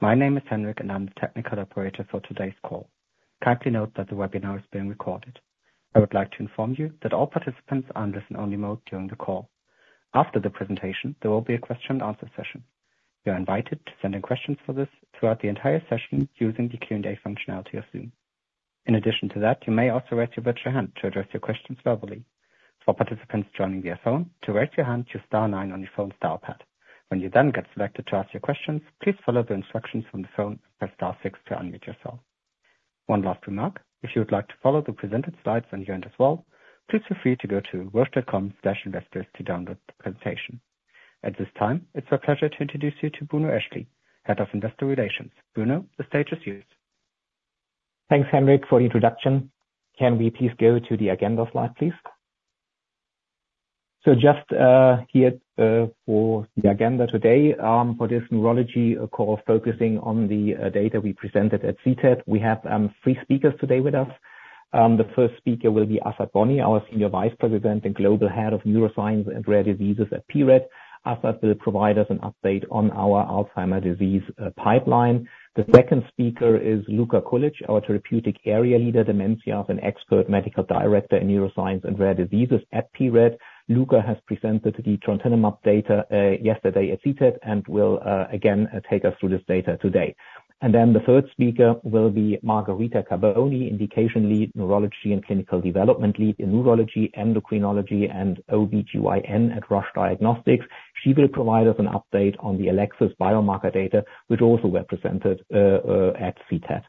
My name is Henrik, and I'm the technical operator for today's call. Kindly note that the webinar is being recorded. I would like to inform you that all participants are in listen-only mode during the call. After the presentation, there will be a question-and-answer session. You're invited to send in questions for this throughout the entire session using the Q&A functionality of Zoom. In addition to that, you may also raise your virtual hand to address your questions verbally. For participants joining via phone, to raise your hand, choose star nine on your phone's dial pad. When you then get selected to ask your questions, please follow the instructions from the phone and press star six to unmute yourself. One last remark: if you would like to follow the presented slides on your end as well, please feel free to go to roche.com/investors to download the presentation. At this time, it's our pleasure to introduce you to Bruno Eschli, Head of Investor Relations. Bruno, the stage is yours. Thanks, Henrik, for the introduction. Can we please go to the agenda slide, please? So just here for the agenda today, for this neurology call focusing on the data we presented at CTAD, we have three speakers today with us. The first speaker will be Azad Bonni, our Senior Vice President and global head of neuroscience and rare diseases at pRED. Azad will provide us an update on our Alzheimer's disease pipeline. The second speaker is Luka Kulic, our therapeutic area leader, dementia, and expert medical director in neuroscience and rare diseases at pRED. Luka has presented the Trontinemab update yesterday at CTAD and will again take us through this data today. And then the third speaker will be Margherita Carboni, indication lead, neurology and clinical development lead in neurology, endocrinology, and OB/GYN at Roche Diagnostics. She will provide us an update on the Elecsys biomarker data, which also were presented at CTAD.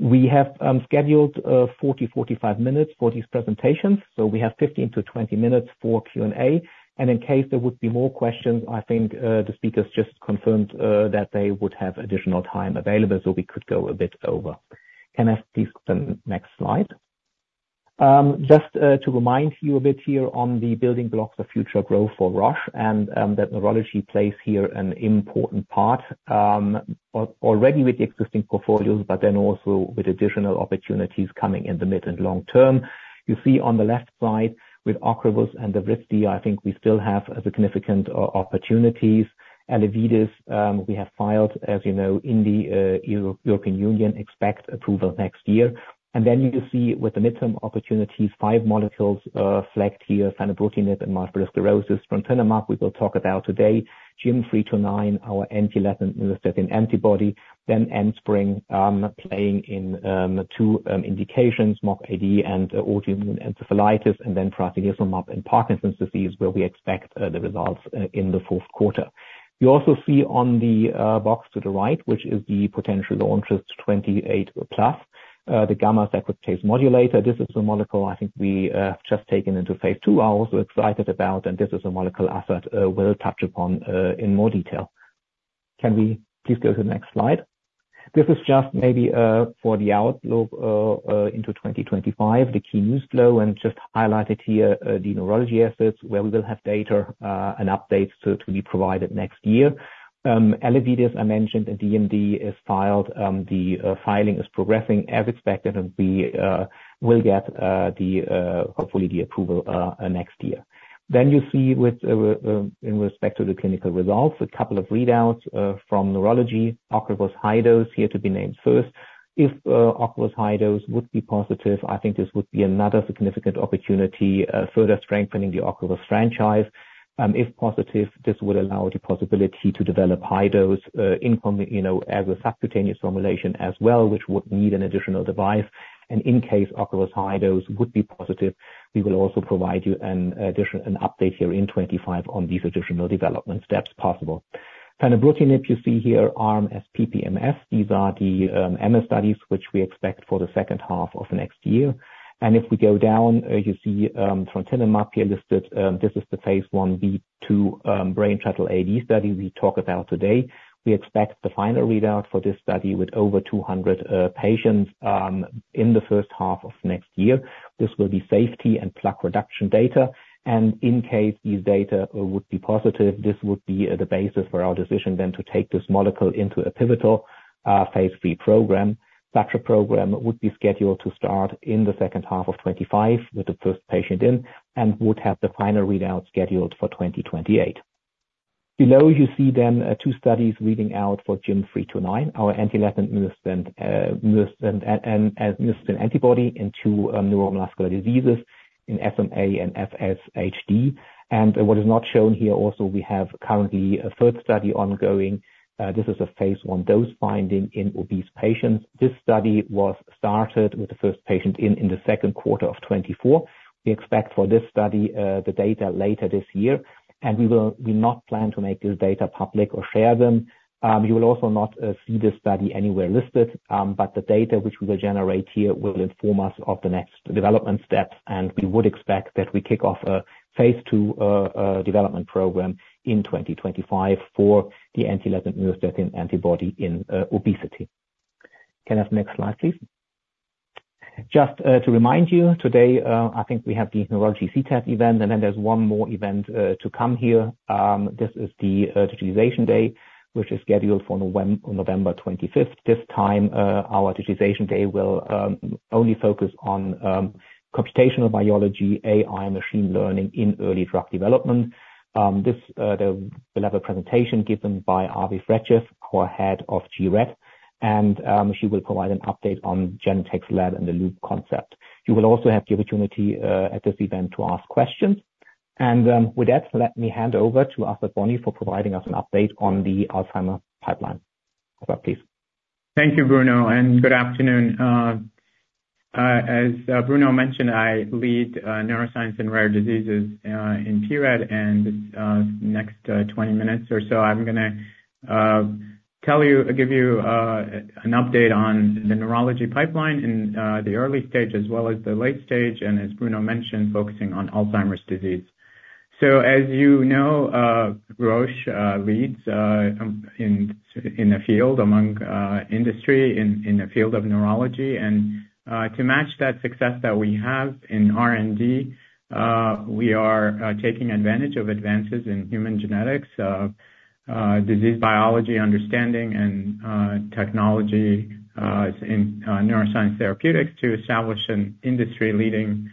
We have scheduled 40-45 minutes for these presentations, so we have 15-20 minutes for Q&A, and in case there would be more questions, I think the speakers just confirmed that they would have additional time available, so we could go a bit over. Can I please go to the next slide? Just to remind you a bit here on the building blocks of future growth for Roche and that neurology plays here an important part already with the existing portfolios, but then also with additional opportunities coming in the mid and long term. You see on the left side with Ocrevus and the Evrysdi, I think we still have significant opportunities. Elevidys, we have filed, as you know, in the European Union, expect approval next year. And then you see with the midterm opportunities, five molecules flagged here: fenebrutinib and multiple sclerosis. Trontinumab we will talk about today, GYM329, our anti-latent myostatin antibody, then Enspryng playing in two indications, MOGAD and autoimmune encephalitis, and then prasinezumab in Parkinson's disease, where we expect the results in the fourth quarter. You also see on the box to the right, which is the potential launches, 2028+, the gamma secretase modulator. This is a molecule I think we have just taken into phase II. I'm also excited about, and this is a molecule Azad will touch upon in more detail. Can we please go to the next slide? This is just maybe for the outlook into 2025, the key news flow, and just highlighted here the neurology assets where we will have data and updates to be provided next year. Elevidys, I mentioned, and DMD is filed. The filing is progressing as expected, and we will get hopefully the approval next year. Then you see with respect to the clinical results, a couple of readouts from neurology. Ocrevus high dose here to be named first. If Ocrevus high dose would be positive, I think this would be another significant opportunity, further strengthening the Ocrevus franchise. If positive, this would allow the possibility to develop high dose as a subcutaneous formulation as well, which would need an additional device. And in case Ocrevus high dose would be positive, we will also provide you an additional update here in 2025 on these additional development steps possible. Fenebrutinib you see here, RMS and PPMS. These are the MS studies, which we expect for the second half of next year. And if we go down, you see Trontinumab up here listed. This is the phase Ib/IIa Brainshuttle AD study we talk about today. We expect the final readout for this study with over 200 patients in the first half of next year. This will be safety and plaque reduction data. And in case these data would be positive, this would be the basis for our decision then to take this molecule into a pivotal phase III program. Such a program would be scheduled to start in the second half of 2025 with the first patient in and would have the final readout scheduled for 2028. Below you see then two studies reading out for GYM329, our anti-myostatin antibody in two neuromuscular diseases in SMA and FSHD. And what is not shown here also, we have currently a third study ongoing. This is a phase I dose finding in obese patients. This study was started with the first patient in the second quarter of 2024. We expect for this study the data later this year, and we will not plan to make this data public or share them. You will also not see this study anywhere listed, but the data which we will generate here will inform us of the next development steps. And we would expect that we kick off a phase II development program in 2025 for the anti-latent antibody in obesity. Can I have the next slide, please? Just to remind you, today I think we have the Neurology CTAD event, and then there's one more event to come here. This is the Digitalization Day, which is scheduled for November 25th. This time, our Digitalization Day will only focus on computational biology, AI, and machine learning in early drug development. This will have a presentation given by Aviv Regev, our head of gRED, and she will provide an update on Genentech's Lab in the Loop concept. You will also have the opportunity at this event to ask questions. And with that, let me hand over to Azad Bonni for providing us an update on the Alzheimer's pipeline. Azad, please. Thank you, Bruno, and good afternoon. As Bruno mentioned, I lead neuroscience and rare diseases in pRED, and this next 20 minutes or so, I'm going to give you an update on the neurology pipeline in the early stage as well as the late stage, and as Bruno mentioned, focusing on Alzheimer's disease. As you know, Roche leads in the field among industry in the field of neurology. To match that success that we have in R&D, we are taking advantage of advances in human genetics, disease biology understanding, and technology in neuroscience therapeutics to establish an industry-leading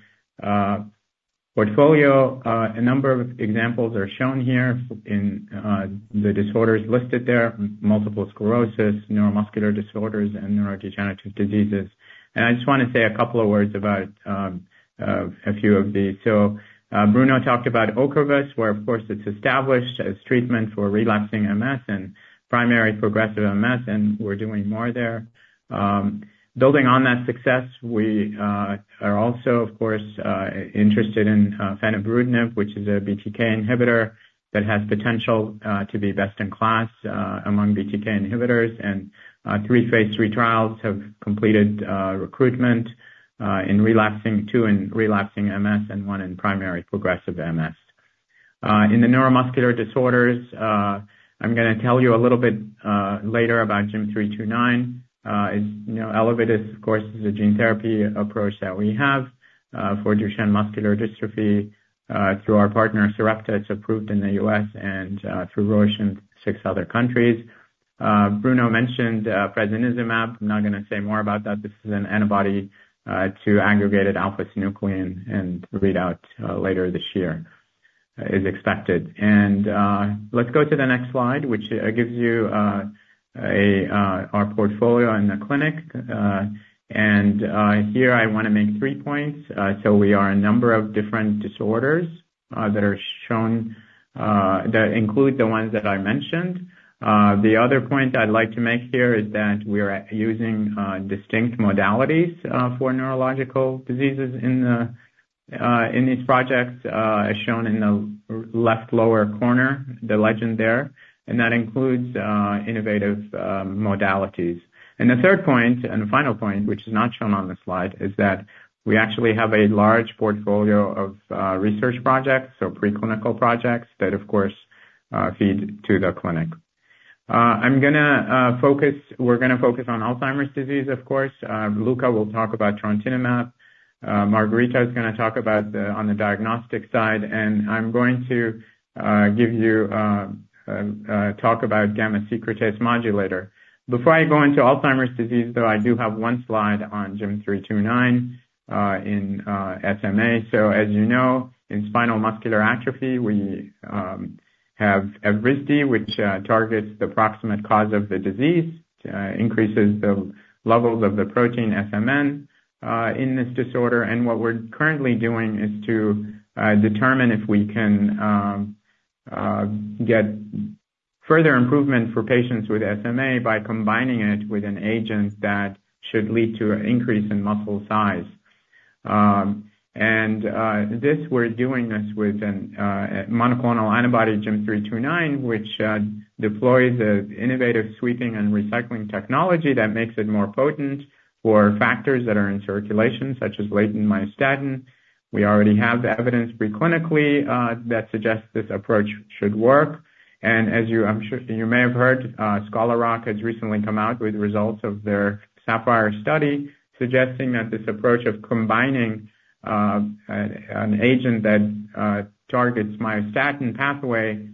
portfolio. A number of examples are shown here in the disorders listed there: multiple sclerosis, neuromuscular disorders, and neurodegenerative diseases. I just want to say a couple of words about a few of these. Bruno talked about Ocrevus, where of course it's established as treatment for relapsing MS and primary progressive MS, and we're doing more there. Building on that success, we are also, of course, interested in fenebrutinib, which is a BTK inhibitor that has potential to be best in class among BTK inhibitors. Three phase III trials have completed recruitment in relapsing, two in relapsing MS, and one in primary progressive MS. In the neuromuscular disorders, I'm going to tell you a little bit later about GYM329. Elevidys, of course, is a gene therapy approach that we have for Duchenne muscular dystrophy through our partner Sarepta. It's approved in the U.S. and through Roche in six other countries. Bruno mentioned prasinezumab. I'm not going to say more about that. This is an antibody to aggregated alpha-synuclein, and readout later this year is expected. Let's go to the next slide, which gives you our portfolio in the clinic. Here I want to make three points. We are a number of different disorders that are shown that include the ones that I mentioned. The other point I'd like to make here is that we are using distinct modalities for neurological diseases in these projects, as shown in the left lower corner, the legend there. That includes innovative modalities. The third point and final point, which is not shown on the slide, is that we actually have a large portfolio of research projects, so preclinical projects that, of course, feed to the clinic. I'm going to focus on Alzheimer's disease, of course. Luka will talk about Trontinumab. Margarita is going to talk about on the diagnostic side, and I'm going to talk about gamma secretase modulator. Before I go into Alzheimer's disease, though, I do have one slide on GYM329 in SMA. So as you know, in spinal muscular atrophy, we have Evrysdi, which targets the proximate cause of the disease, increases the levels of the protein SMN in this disorder. And what we're currently doing is to determine if we can get further improvement for patients with SMA by combining it with an agent that should lead to an increase in muscle size. And this we're doing with a monoclonal antibody GYM329, which deploys an innovative sweeping and recycling technology that makes it more potent for factors that are in circulation, such as latent myostatin. We already have the evidence preclinically that suggests this approach should work. As you may have heard, Scholar Rock has recently come out with results of their Sapphire study suggesting that this approach of combining an agent that targets myostatin pathway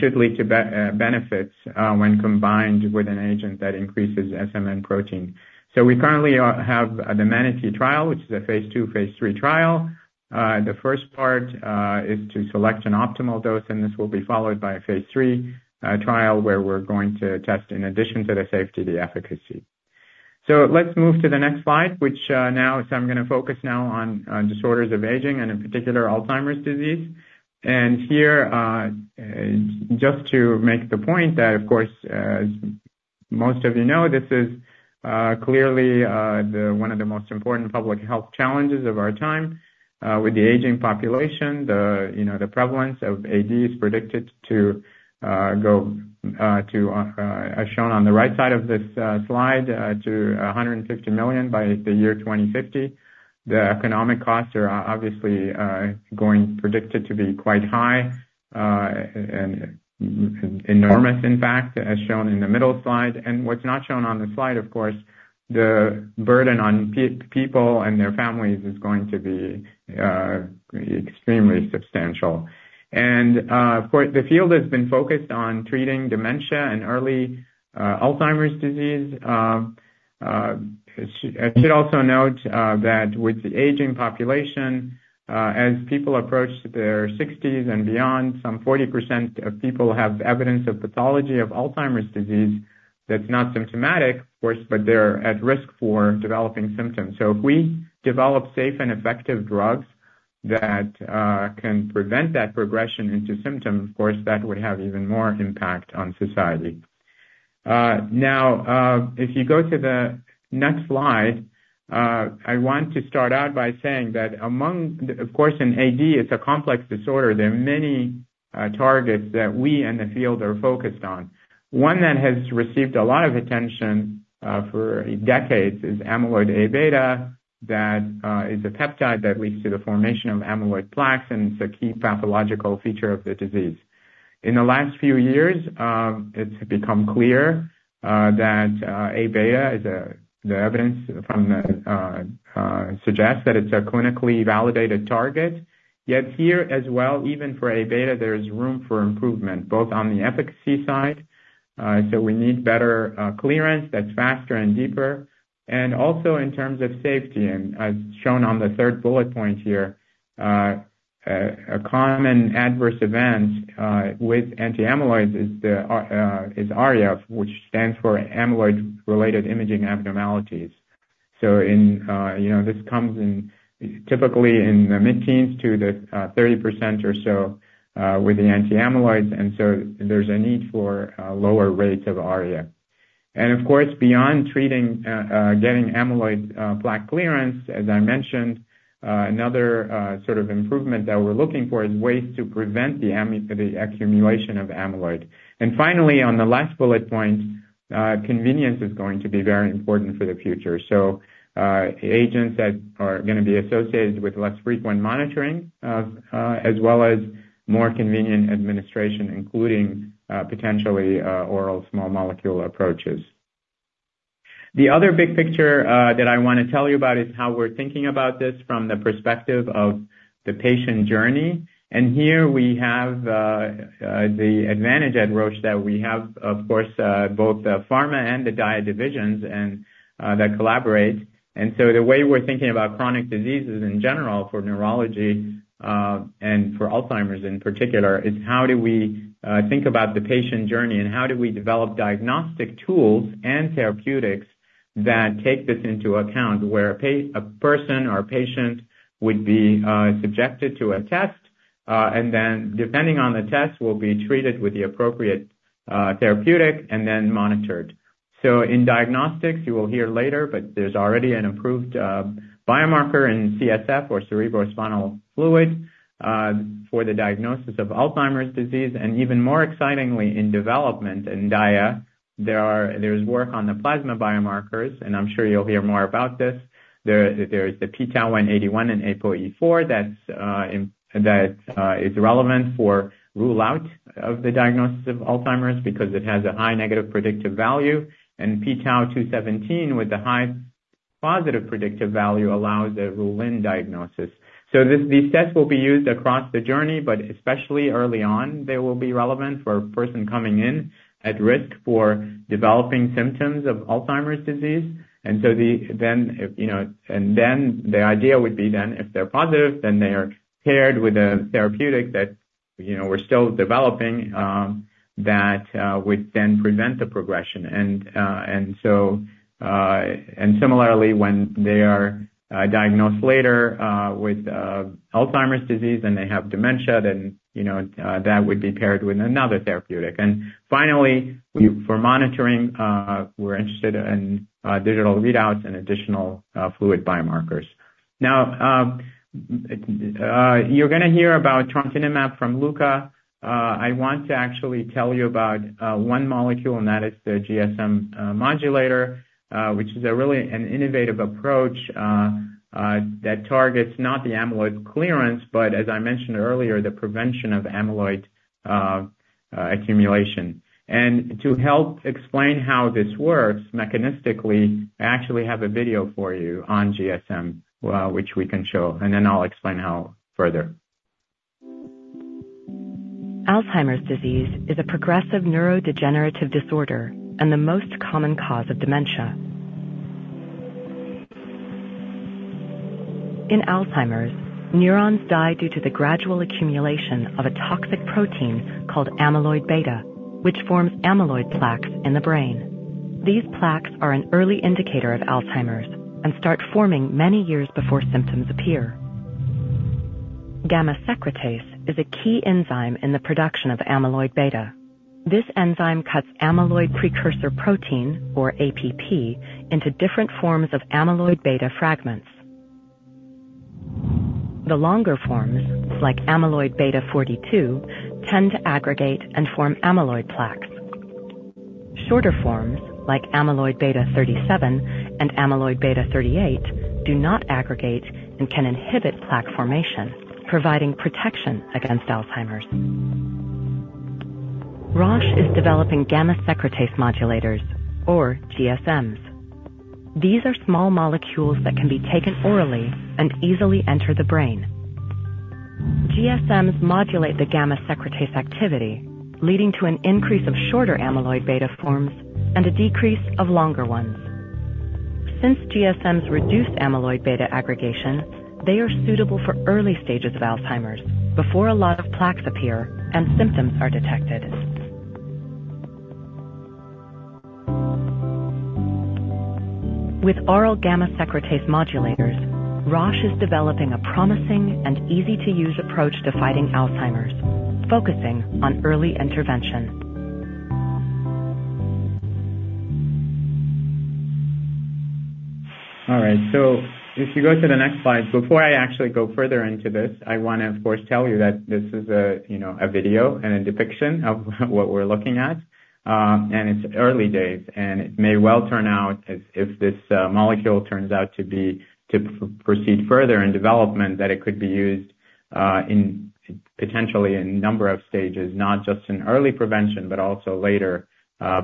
should lead to benefits when combined with an agent that increases SMN protein. We currently have the Manatee trial, which is a phase II, phase III trial. The first part is to select an optimal dose, and this will be followed by a phase III trial where we're going to test in addition to the safety, the efficacy. Let's move to the next slide, which now I'm going to focus on disorders of aging and in particular Alzheimer's disease. Here, just to make the point that, of course, as most of you know, this is clearly one of the most important public health challenges of our time with the aging population. The prevalence of AD is predicted to go to, as shown on the right side of this slide, to 150 million by the year 2050. The economic costs are obviously going predicted to be quite high and enormous, in fact, as shown in the middle slide. What's not shown on the slide, of course, the burden on people and their families is going to be extremely substantial. The field has been focused on treating dementia and early Alzheimer's disease. I should also note that with the aging population, as people approach their 60s and beyond, some 40% of people have evidence of pathology of Alzheimer's disease that's not symptomatic, of course, but they're at risk for developing symptoms. If we develop safe and effective drugs that can prevent that progression into symptom, of course, that would have even more impact on society. Now, if you go to the next slide, I want to start out by saying that among, of course, in AD, it's a complex disorder. There are many targets that we in the field are focused on. One that has received a lot of attention for decades is amyloid beta, that is a peptide that leads to the formation of amyloid plaques, and it's a key pathological feature of the disease. In the last few years, it's become clear that Aβ is. The evidence from the field suggests that it's a clinically validated target. Yet here as well, even for Aβ, there is room for improvement both on the efficacy side. So we need better clearance that's faster and deeper. And also in terms of safety, and as shown on the third bullet point here, a common adverse event with anti-amyloid is ARIA, which stands for amyloid-related imaging abnormalities. So this comes in typically in the mid-teens to the 30% or so with the anti-amyloids. And so there's a need for lower rates of ARIA. And of course, beyond getting amyloid plaque clearance, as I mentioned, another sort of improvement that we're looking for is ways to prevent the accumulation of amyloid. And finally, on the last bullet point, convenience is going to be very important for the future. So agents that are going to be associated with less frequent monitoring, as well as more convenient administration, including potentially oral small molecule approaches. The other big picture that I want to tell you about is how we're thinking about this from the perspective of the patient journey. And here we have the advantage at Roche that we have, of course, both the pharma and the diagnostics divisions that collaborate. And so the way we're thinking about chronic diseases in general for neurology and for Alzheimer's in particular is how do we think about the patient journey and how do we develop diagnostic tools and therapeutics that take this into account where a person or a patient would be subjected to a test, and then depending on the test, will be treated with the appropriate therapeutic and then monitored. So in diagnostics, you will hear later, but there's already an improved biomarker in CSF or cerebrospinal fluid for the diagnosis of Alzheimer's disease. And even more excitingly, in development in DIA, there is work on the plasma biomarkers, and I'm sure you'll hear more about this. There is the pTau181 and ApoE4 that is relevant for rule-out of the diagnosis of Alzheimer's because it has a high negative predictive value. pTau217 with a high positive predictive value allows a rule-in diagnosis. These tests will be used across the journey, but especially early on, they will be relevant for a person coming in at risk for developing symptoms of Alzheimer's disease. The idea would be then if they're positive, then they are paired with a therapeutic that we're still developing that would then prevent the progression. Similarly, when they are diagnosed later with Alzheimer's disease and they have dementia, then that would be paired with another therapeutic. Finally, for monitoring, we're interested in digital readouts and additional fluid biomarkers. Now, you're going to hear about Trontinumab from Luka. I want to actually tell you about one molecule, and that is the GSM modulator, which is really an innovative approach that targets not the amyloid clearance, but as I mentioned earlier, the prevention of amyloid accumulation. And to help explain how this works mechanistically, I actually have a video for you on GSM, which we can show, and then I'll explain how further. Alzheimer's disease is a progressive neurodegenerative disorder and the most common cause of dementia. In Alzheimer's, neurons die due to the gradual accumulation of a toxic protein called amyloid beta, which forms amyloid plaques in the brain. These plaques are an early indicator of Alzheimer's and start forming many years before symptoms appear. Gamma secretase is a key enzyme in the production of amyloid beta. This enzyme cuts amyloid precursor protein, or APP, into different forms of amyloid beta fragments. The longer forms, like amyloid beta 42, tend to aggregate and form amyloid plaques. Shorter forms, like amyloid beta 37 and amyloid beta 38, do not aggregate and can inhibit plaque formation, providing protection against Alzheimer's. Roche is developing gamma secretase modulators, or GSMs. These are small molecules that can be taken orally and easily enter the brain. GSMs modulate the gamma secretase activity, leading to an increase of shorter amyloid beta forms and a decrease of longer ones. Since GSMs reduce amyloid beta aggregation, they are suitable for early stages of Alzheimer's before a lot of plaques appear and symptoms are detected. With oral gamma secretase modulators, Roche is developing a promising and easy-to-use approach to fighting Alzheimer's, focusing on early intervention. All right, so if you go to the next slide, before I actually go further into this, I want to, of course, tell you that this is a video and a depiction of what we're looking at, and it's early days, and it may well turn out, if this molecule turns out to proceed further in development, that it could be used potentially in a number of stages, not just in early prevention, but also later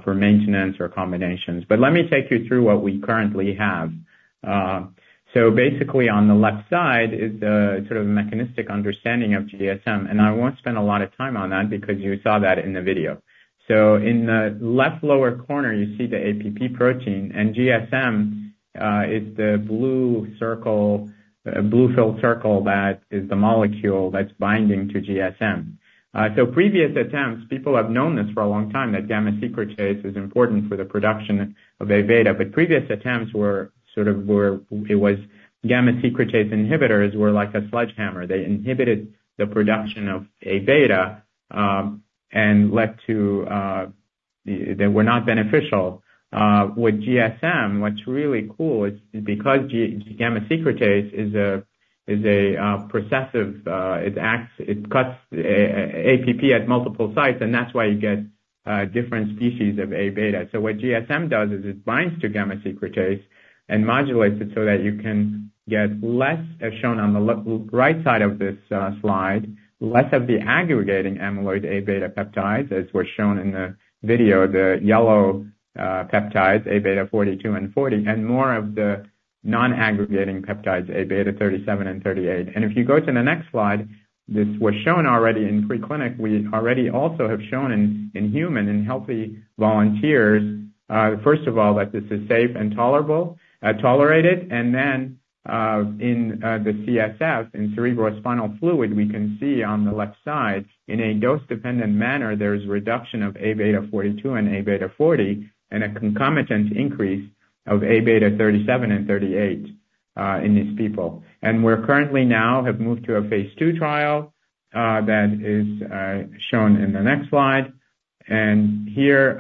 for maintenance or combinations, but let me take you through what we currently have, so basically, on the left side is the sort of mechanistic understanding of GSM, and I won't spend a lot of time on that because you saw that in the video, so in the left lower corner, you see the APP protein, and GSM is the blue filled circle that is the molecule that's binding to GSM. Previous attempts, people have known this for a long time, that gamma secretase is important for the production of Aβ. But previous attempts were sort of where gamma secretase inhibitors were like a sledgehammer. They inhibited the production of Aβ and led to they were not beneficial. With GSM, what's really cool is because gamma secretase is a processive it cuts APP at multiple sites, and that's why you get different species of Aβ. So what GSM does is it binds to gamma secretase and modulates it so that you can get less, as shown on the right side of this slide, less of the aggregating amyloid Aβ peptides, as was shown in the video, the yellow peptides, Aβ42 and Aβ40, and more of the non-aggregating peptides, Aβ37 and Aβ38. And if you go to the next slide, this was shown already in preclinical. We already also have shown in human and healthy volunteers, first of all, that this is safe and tolerable. And then in the CSF, in cerebrospinal fluid, we can see on the left side, in a dose-dependent manner, there is reduction of Aβ42 and Aβ40 and a concomitant increase of Aβ37 and 38 in these people. And we're currently now have moved to a phase II trial that is shown in the next slide. And here,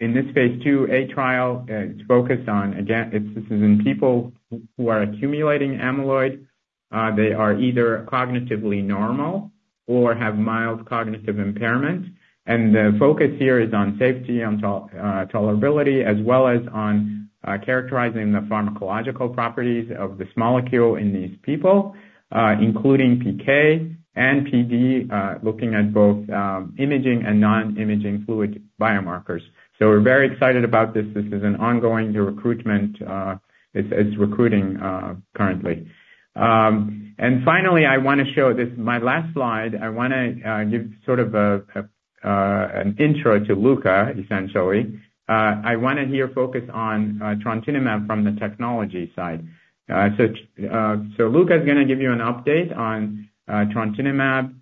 in this phase IIa trial, it's focused on, again, this is in people who are accumulating amyloid. They are either cognitively normal or have mild cognitive impairment. And the focus here is on safety, on tolerability, as well as on characterizing the pharmacological properties of this molecule in these people, including PK and PD, looking at both imaging and non-imaging fluid biomarkers. So we're very excited about this. This is an ongoing recruitment. It's recruiting currently. Finally, I want to show you my last slide. I want to give sort of an intro to Luka, essentially. I want to here focus on Trontinumab from the technology side. Luka is going to give you an update on Trontinumab.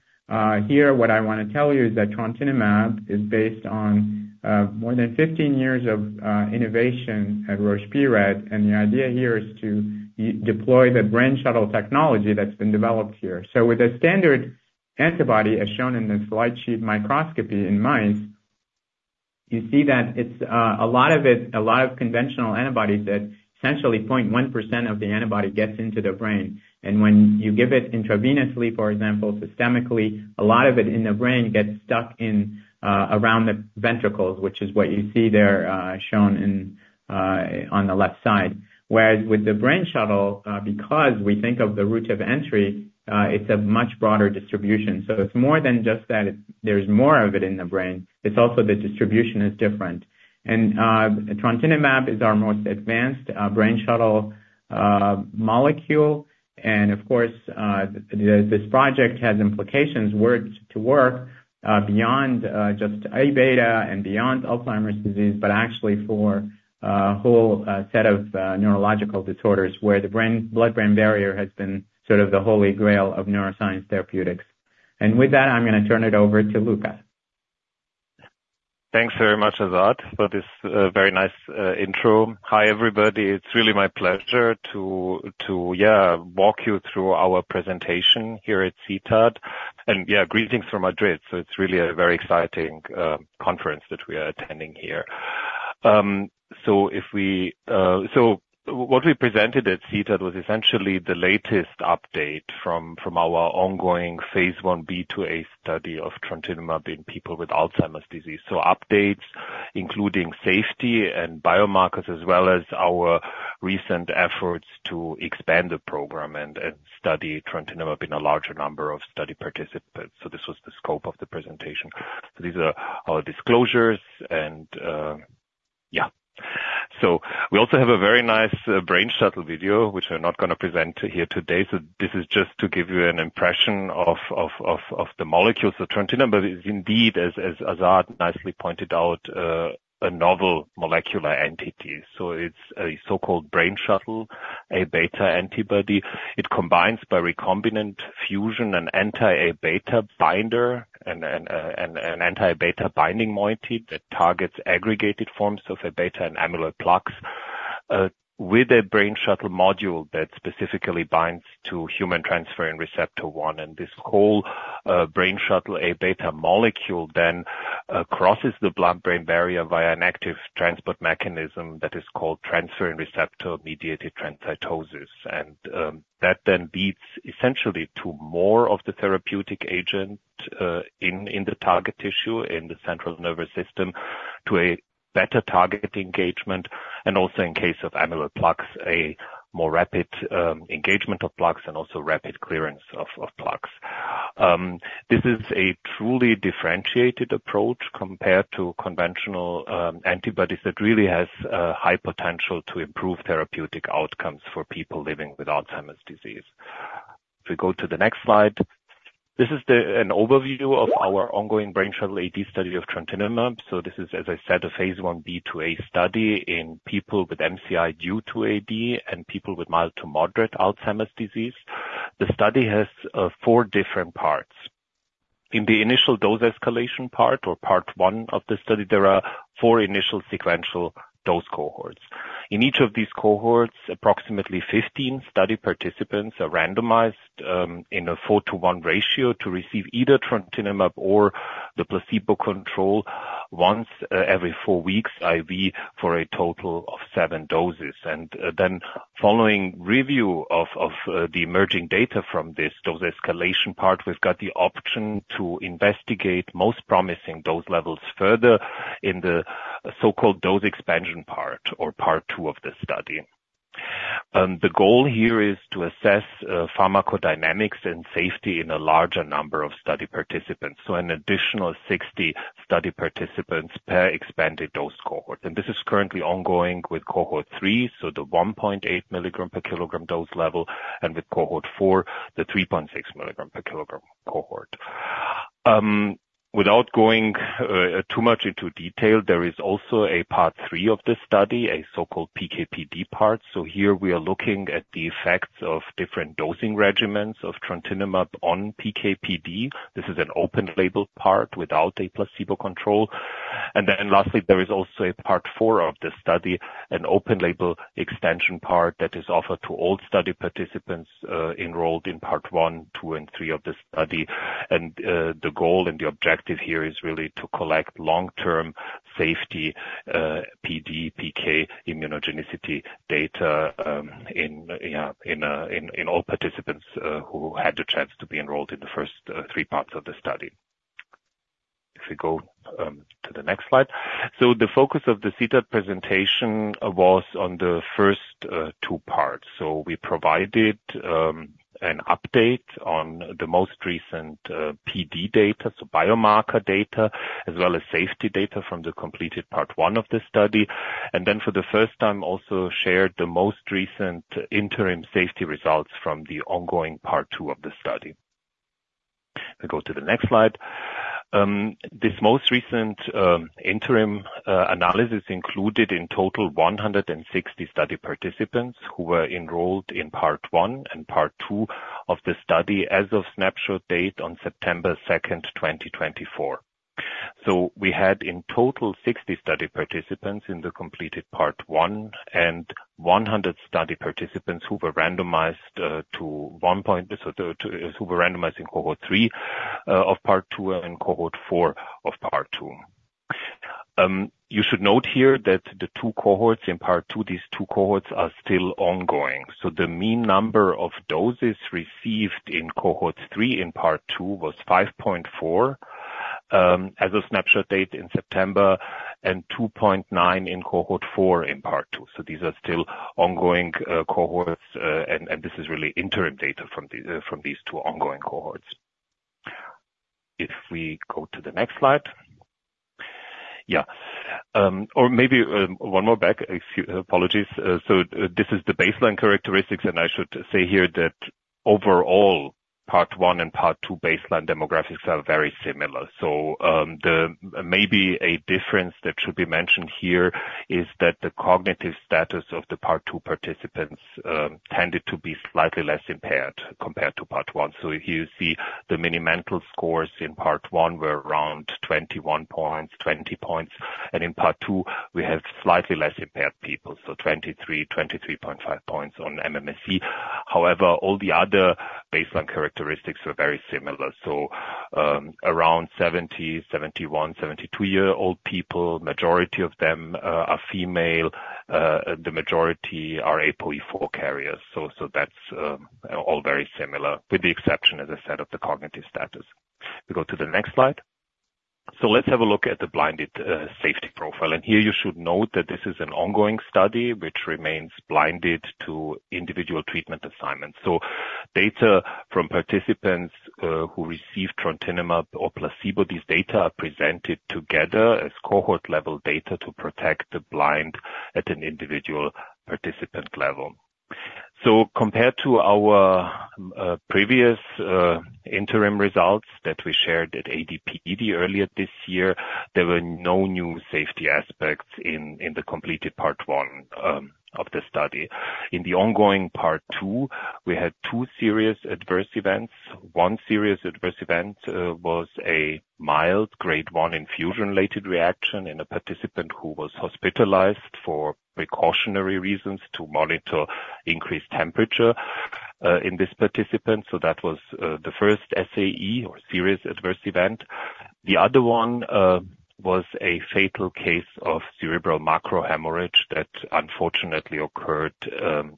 Here, what I want to tell you is that Trontinumab is based on more than 15 years of innovation at Roche pRED. The idea here is to deploy the Brainshuttle technology that's been developed here. With a standard antibody, as shown in the slide, microscopy in mice, you see that a lot of it, a lot of conventional antibodies, that essentially 0.1% of the antibody gets into the brain. When you give it intravenously, for example, systemically, a lot of it in the brain gets stuck around the ventricles, which is what you see there shown on the left side. Whereas with the Brainshuttle, because we think of the route of entry, it's a much broader distribution. So it's more than just that. There's more of it in the brain. It's also the distribution is different. And Trontinumab is our most advanced Brainshuttle molecule. And of course, this project has implications to work beyond just Aβ and beyond Alzheimer's disease, but actually for a whole set of neurological disorders where the blood-brain barrier has been sort of the holy grail of neuroscience therapeutics. And with that, I'm going to turn it over to Luka. Thanks very much for that, for this very nice intro. Hi, everybody. It's really my pleasure to, yeah, walk you through our presentation here at CTAD. And yeah, greetings from Madrid. So it's really a very exciting conference that we are attending here. So what we presented at CTAD was essentially the latest update from our ongoing phase Ib/IIa study of Trontinumab in people with Alzheimer's disease. So updates, including safety and biomarkers, as well as our recent efforts to expand the program and study Trontinumab in a larger number of study participants. So this was the scope of the presentation. So these are our disclosures. And yeah. So we also have a very nice Brainshuttle video, which we're not going to present here today. So this is just to give you an impression of the molecules of Trontinumab. But it's indeed, as Azad nicely pointed out, a novel molecular entity. So it's a so-called Brainshuttle Aβ antibody. It combines by recombinant fusion an anti-Aβ binder and an anti-Aβ binding moiety that targets aggregated forms of Aβ and amyloid plaques with a Brainshuttle module that specifically binds to human transferrin receptor 1. And this whole Brainshuttle Aβ molecule then crosses the blood-brain barrier via an active transport mechanism that is called transferrin receptor-mediated transcytosis. And that then leads essentially to more of the therapeutic agent in the target tissue in the central nervous system to a better target engagement, and also in case of amyloid plaques, a more rapid engagement of plaques and also rapid clearance of plaques. This is a truly differentiated approach compared to conventional antibodies that really has high potential to improve therapeutic outcomes for people living with Alzheimer's disease. If we go to the next slide, this is an overview of our ongoing Brainshuttle AD study of Trontinumab. So this is, as I said, a phase Ib/IIa study in people with MCI due to AD and people with mild to moderate Alzheimer's disease. The study has four different parts. In the initial dose escalation part, or part one of the study, there are four initial sequential dose cohorts. In each of these cohorts, approximately 15 study participants are randomized in a four-to-one ratio to receive either Trontinumab or the placebo control once every four weeks, i.e., for a total of seven doses. And then following review of the emerging data from this dose escalation part, we've got the option to investigate most promising dose levels further in the so-called dose expansion part, or part two of the study. The goal here is to assess pharmacodynamics and safety in a larger number of study participants, so an additional 60 study participants per expanded dose cohort. This is currently ongoing with cohort three, so the 1.8 milligram per kilogram dose level, and with cohort four, the 3.6 milligram per kilogram cohort. Without going too much into detail, there is also a part three of this study, a so-called PK/PD part. Here we are looking at the effects of different dosing regimens of Trontinumab on PK/PD. This is an open-label part without a placebo control. Lastly, there is also a part four of the study, an open-label extension part that is offered to all study participants enrolled in part one, two, and three of the study. The goal and the objective here is really to collect long-term safety, PD, PK, immunogenicity data in all participants who had the chance to be enrolled in the first three parts of the study. If we go to the next slide. The focus of the CTAD presentation was on the first two parts. We provided an update on the most recent PD data, so biomarker data, as well as safety data from the completed part one of the study. Then for the first time, also shared the most recent interim safety results from the ongoing part two of the study. If we go to the next slide. This most recent interim analysis included in total 160 study participants who were enrolled in part one and part two of the study as of snapshot date on September 2, 2024. We had in total 60 study participants in the completed part one and 100 study participants who were randomized to one point, so who were randomized in cohort three of part two and cohort four of part two. You should note here that the two cohorts in part two, these two cohorts are still ongoing. So the mean number of doses received in cohort three in part two was 5.4 as of snapshot date in September and 2.9 in cohort four in part two. So these are still ongoing cohorts. And this is really interim data from these two ongoing cohorts. If we go to the next slide. Yeah. Or maybe one more back. Apologies. So this is the baseline characteristics. And I should say here that overall, part one and part two baseline demographics are very similar. So maybe a difference that should be mentioned here is that the cognitive status of the part two participants tended to be slightly less impaired compared to part one. So here you see the Mini-Mental scores in part one were around 21 points, 20 points. And in part two, we have slightly less impaired people, so 23 points, 23.5 points on MMSE. However, all the other baseline characteristics were very similar. So around 70, 71, 72-year-old people, majority of them are female. The majority are APOE4 carriers. So that's all very similar, with the exception, as I said, of the cognitive status. We go to the next slide. So let's have a look at the blinded safety profile. And here you should note that this is an ongoing study which remains blinded to individual treatment assignments. Data from participants who received Trontinumab or placebo, these data are presented together as cohort-level data to protect the blind at an individual participant level. So compared to our previous interim results that we shared at ADPD earlier this year, there were no new safety aspects in the completed part one of the study. In the ongoing part two, we had two serious adverse events. One serious adverse event was a mild grade one infusion-related reaction in a participant who was hospitalized for precautionary reasons to monitor increased temperature in this participant. So that was the first SAE or serious adverse event. The other one was a fatal case of cerebral microhemorrhage that unfortunately occurred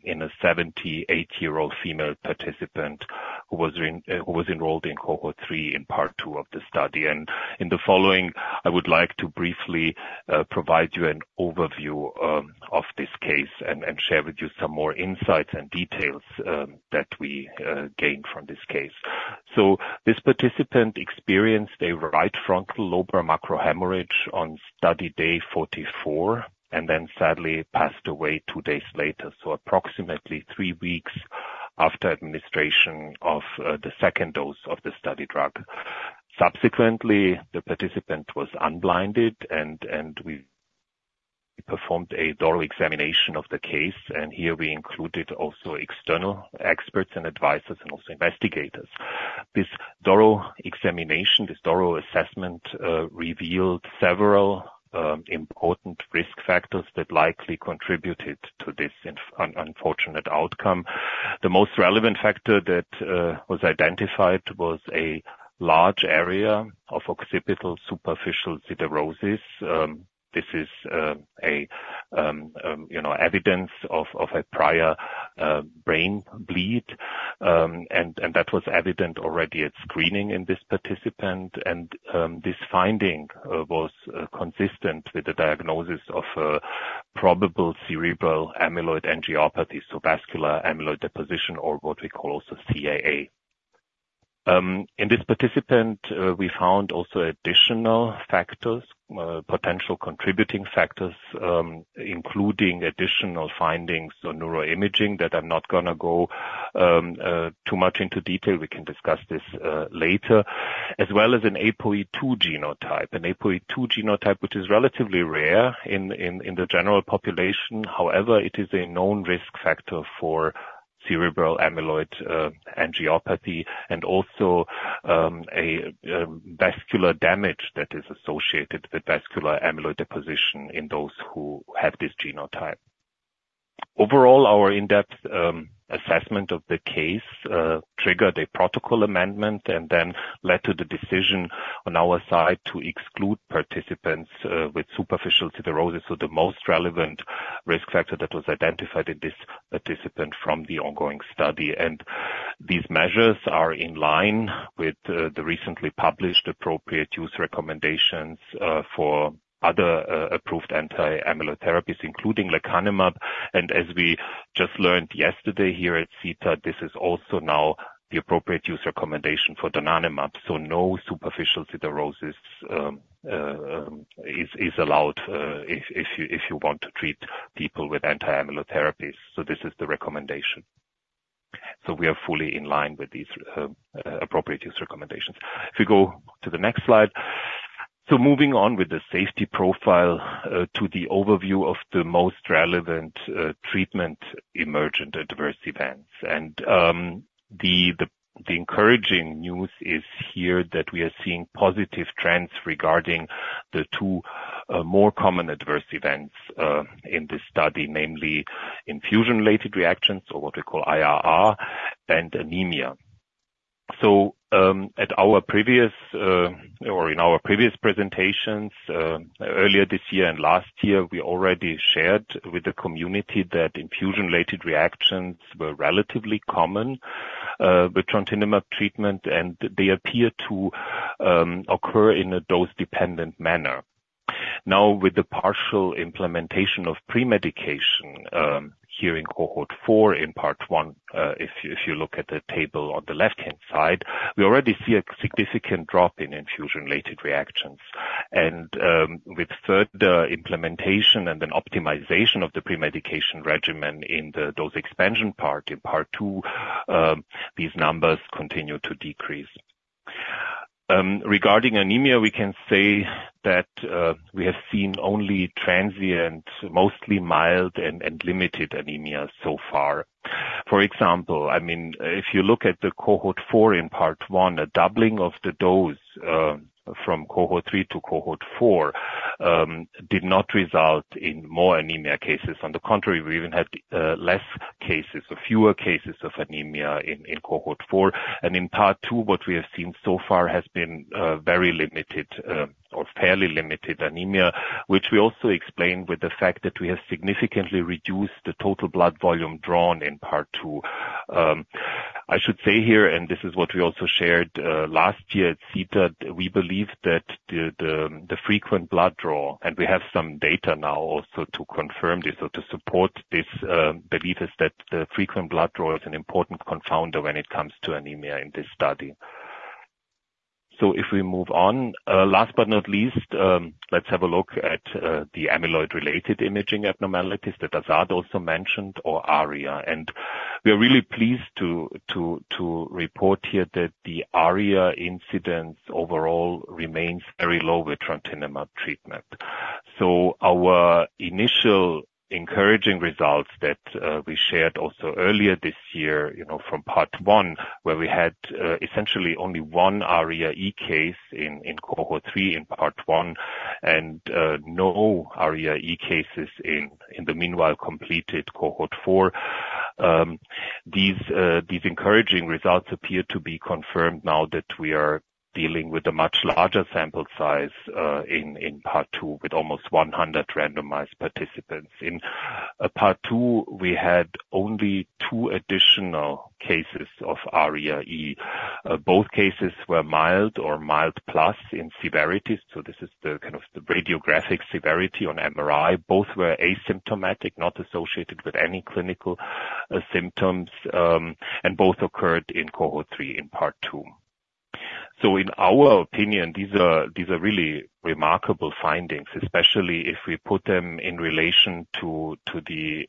in a 78-year-old female participant who was enrolled in cohort three in part two of the study. In the following, I would like to briefly provide you an overview of this case and share with you some more insights and details that we gained from this case. This participant experienced a right frontal lobar microhemorrhage on study day 44 and then sadly passed away two days later, so approximately three weeks after administration of the second dose of the study drug. Subsequently, the participant was unblinded, and we performed a thorough examination of the case. Here we included also external experts and advisors and also investigators. This thorough examination, this thorough assessment revealed several important risk factors that likely contributed to this unfortunate outcome. The most relevant factor that was identified was a large area of occipital superficial siderosis. This is evidence of a prior brain bleed. That was evident already at screening in this participant. This finding was consistent with the diagnosis of probable cerebral amyloid angiopathy, so vascular amyloid deposition, or what we call also CAA. In this participant, we found also additional factors, potential contributing factors, including additional findings on neuroimaging that I'm not going to go too much into detail. We can discuss this later, as well as an ApoE2 genotype, an ApoE2 genotype which is relatively rare in the general population. However, it is a known risk factor for cerebral amyloid angiopathy and also a vascular damage that is associated with vascular amyloid deposition in those who have this genotype. Overall, our in-depth assessment of the case triggered a protocol amendment and then led to the decision on our side to exclude participants with superficial siderosis, so the most relevant risk factor that was identified in this participant from the ongoing study. These measures are in line with the recently published appropriate use recommendations for other approved anti-amyloid therapies, including lecanemab. And as we just learned yesterday here at CTAD, this is also now the appropriate use recommendation for donanemab. So no superficial siderosis is allowed if you want to treat people with anti-amyloid therapies. So this is the recommendation. So we are fully in line with these appropriate use recommendations. If we go to the next slide. So moving on with the safety profile to the overview of the most relevant treatment emergent adverse events. And the encouraging news is here that we are seeing positive trends regarding the two more common adverse events in this study, namely infusion-related reactions, or what we call IRR, and anemia. So at our previous or in our previous presentations earlier this year and last year, we already shared with the community that infusion-related reactions were relatively common with Trontinumab treatment, and they appear to occur in a dose-dependent manner. Now, with the partial implementation of pre-medication here in cohort four in part one, if you look at the table on the left-hand side, we already see a significant drop in infusion-related reactions. And with further implementation and then optimization of the pre-medication regimen in the dose expansion part in part two, these numbers continue to decrease. Regarding anemia, we can say that we have seen only transient, mostly mild and limited anemia so far. For example, I mean, if you look at the cohort four in part one, a doubling of the dose from cohort three to cohort four did not result in more anemia cases. On the contrary, we even had less cases or fewer cases of anemia in cohort four. And in part two, what we have seen so far has been very limited or fairly limited anemia, which we also explained with the fact that we have significantly reduced the total blood volume drawn in part two. I should say here, and this is what we also shared last year at CTAD. We believe that the frequent blood draw, and we have some data now also to confirm this or to support this belief, is that the frequent blood draw is an important confounder when it comes to anemia in this study. So if we move on, last but not least, let's have a look at the amyloid-related imaging abnormalities that Azad also mentioned, or ARIA. And we are really pleased to report here that the ARIA incidence overall remains very low with Trontinumab treatment. So our initial encouraging results that we shared also earlier this year from part one, where we had essentially only one ARIA E case in cohort three in part one and no ARIA E cases in the meanwhile completed cohort four, these encouraging results appear to be confirmed now that we are dealing with a much larger sample size in part two with almost 100 randomized participants. In part two, we had only two additional cases of ARIA E. Both cases were mild or mild plus in severity. So this is the kind of radiographic severity on MRI. Both were asymptomatic, not associated with any clinical symptoms, and both occurred in cohort three in part two. In our opinion, these are really remarkable findings, especially if we put them in relation to the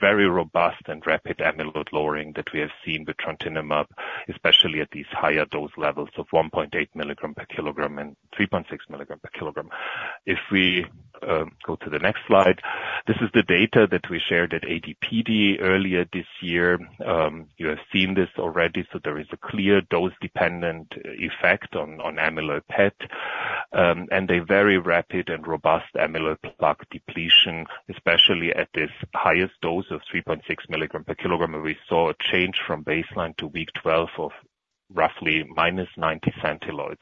very robust and rapid amyloid lowering that we have seen with Trontinumab, especially at these higher dose levels of 1.8 milligram per kilogram and 3.6 milligram per kilogram. If we go to the next slide, this is the data that we shared at ADPD earlier this year. You have seen this already. There is a clear dose-dependent effect on amyloid PET and a very rapid and robust amyloid plaque depletion, especially at this highest dose of 3.6 milligram per kilogram. We saw a change from baseline to week 12 of roughly minus 90 centiloids.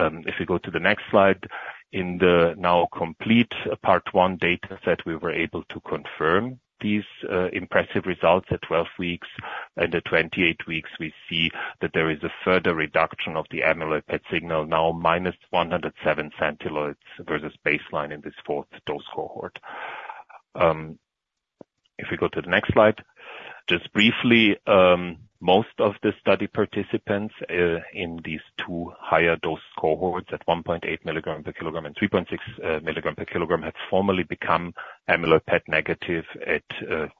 If we go to the next slide, in the now complete part one data set, we were able to confirm these impressive results at 12 weeks. And at 28 weeks, we see that there is a further reduction of the amyloid PET signal, now minus 107 centiloids versus baseline in this fourth dose cohort. If we go to the next slide, just briefly, most of the study participants in these two higher dose cohorts at 1.8 milligram per kilogram and 3.6 milligram per kilogram have formally become amyloid PET negative at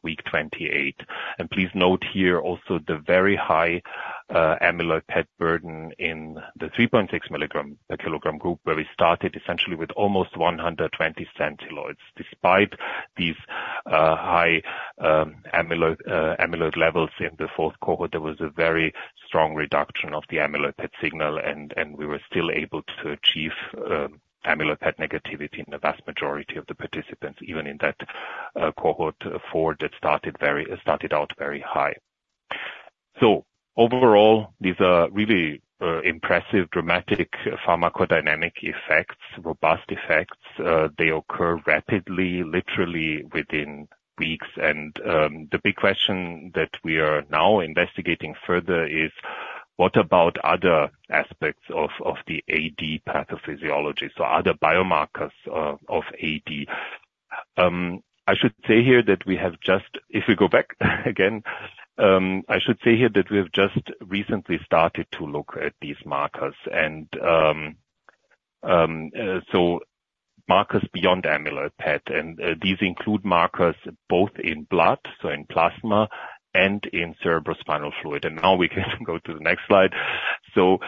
week 28. And please note here also the very high amyloid PET burden in the 3.6 milligram per kilogram group where we started essentially with almost 120 centiloids. Despite these high amyloid levels in the fourth cohort, there was a very strong reduction of the amyloid PET signal. And we were still able to achieve amyloid PET negativity in the vast majority of the participants, even in that cohort four that started out very high. So overall, these are really impressive, dramatic pharmacodynamic effects, robust effects. They occur rapidly, literally within weeks. And the big question that we are now investigating further is, what about other aspects of the AD pathophysiology, so other biomarkers of AD? I should say here that we have just recently started to look at these markers. And so markers beyond amyloid PET, and these include markers both in blood, so in plasma, and in cerebrospinal fluid. And now we can go to the next slide. So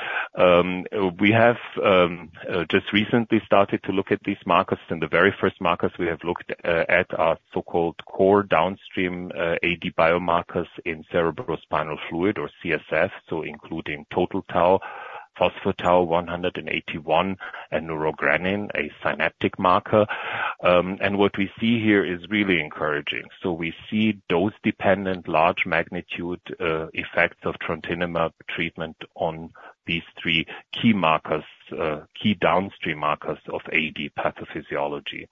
we have just recently started to look at these markers. And the very first markers we have looked at are so-called core downstream AD biomarkers in cerebrospinal fluid or CSF, so including total Tau, pTau181, and neurogranin, a synaptic marker. And what we see here is really encouraging. So we see dose-dependent large magnitude effects of Trontinumab treatment on these three key markers, key downstream markers of AD pathophysiology.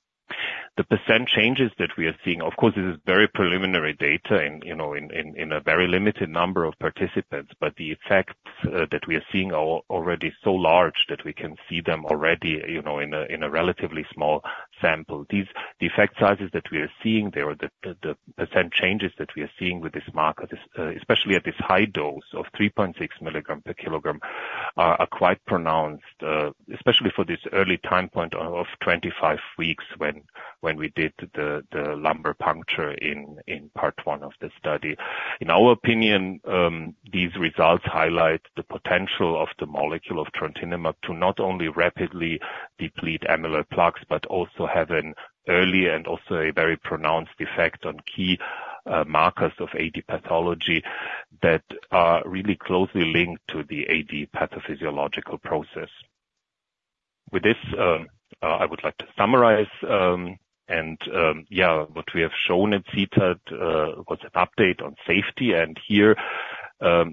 The percent changes that we are seeing, of course, this is very preliminary data in a very limited number of participants, but the effects that we are seeing are already so large that we can see them already in a relatively small sample. These effect sizes that we are seeing, the percent changes that we are seeing with this marker, especially at this high dose of 3.6 milligram per kilogram, are quite pronounced, especially for this early time point of 25 weeks when we did the lumbar puncture in part one of the study. In our opinion, these results highlight the potential of the molecule of Trontinumab to not only rapidly deplete amyloid plaques, but also have an early and also a very pronounced effect on key markers of AD pathology that are really closely linked to the AD pathophysiological process. With this, I would like to summarize. And yeah, what we have shown at CTAD was an update on safety. And here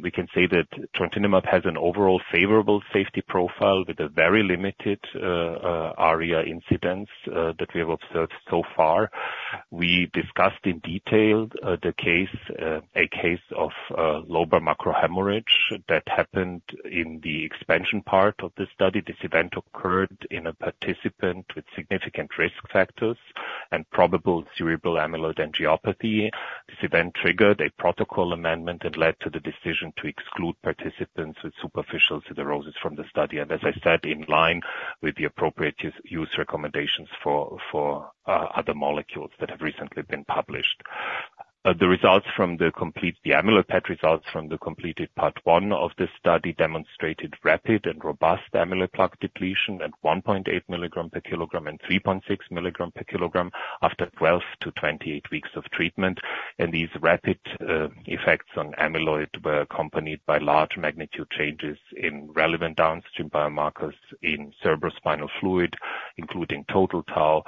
we can say that Trontinumab has an overall favorable safety profile with a very limited ARIA incidence that we have observed so far. We discussed in detail a case of lobar microhemorrhage that happened in the expansion part of the study. This event occurred in a participant with significant risk factors and probable cerebral amyloid angiopathy. This event triggered a protocol amendment and led to the decision to exclude participants with superficial siderosis from the study. As I said, in line with the appropriate use recommendations for other molecules that have recently been published. The amyloid PET results from the completed part one of the study demonstrated rapid and robust amyloid plaque depletion at 1.8 milligram per kilogram and 3.6 milligram per kilogram after 12-28 weeks of treatment. These rapid effects on amyloid were accompanied by large magnitude changes in relevant downstream biomarkers in cerebrospinal fluid, including total tau,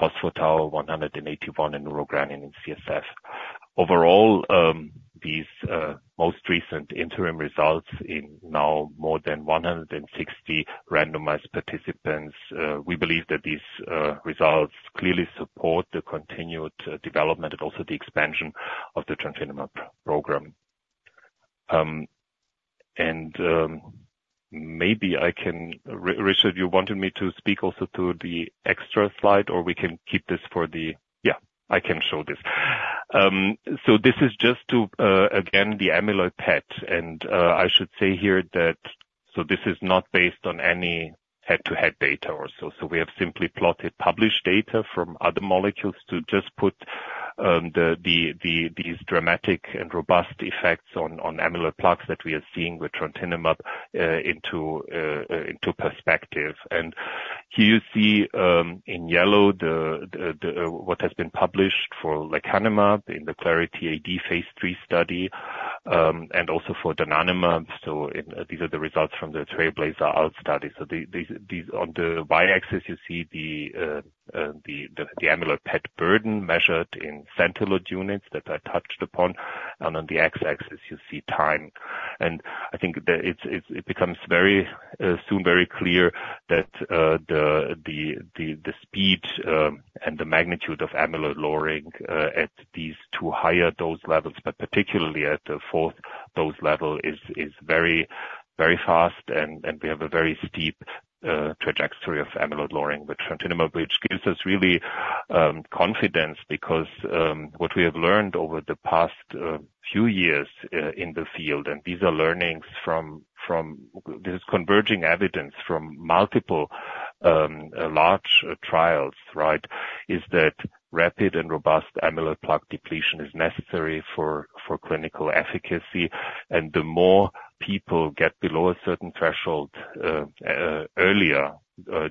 pTau181, and neurogranin in CSF. Overall, these most recent interim results in now more than 160 randomized participants, we believe that these results clearly support the continued development and also the expansion of the Trontinumab program. Maybe I can, Richard, you wanted me to speak also to the extra slide, or we can keep this for the, yeah, I can show this. This is just to, again, the amyloid PET. And I should say here that, so this is not based on any head-to-head data or so. So we have simply plotted published data from other molecules to just put these dramatic and robust effects on amyloid plaques that we are seeing with Trontinumab into perspective. And here you see in yellow what has been published for lecanemab in the Clarity AD phase III study and also for donanemab. So these are the results from the TRAILBLAZER-ALZ study. So on the y-axis, you see the amyloid PET burden measured in centiloid units that are touched upon. And on the x-axis, you see time. And I think it becomes soon very clear that the speed and the magnitude of amyloid lowering at these two higher dose levels, but particularly at the fourth dose level, is very fast. And we have a very steep trajectory of amyloid lowering with Trontinumab, which gives us really confidence because what we have learned over the past few years in the field, and these are learnings from this, is converging evidence from multiple large trials, right, is that rapid and robust amyloid plaque depletion is necessary for clinical efficacy. And the more people get below a certain threshold earlier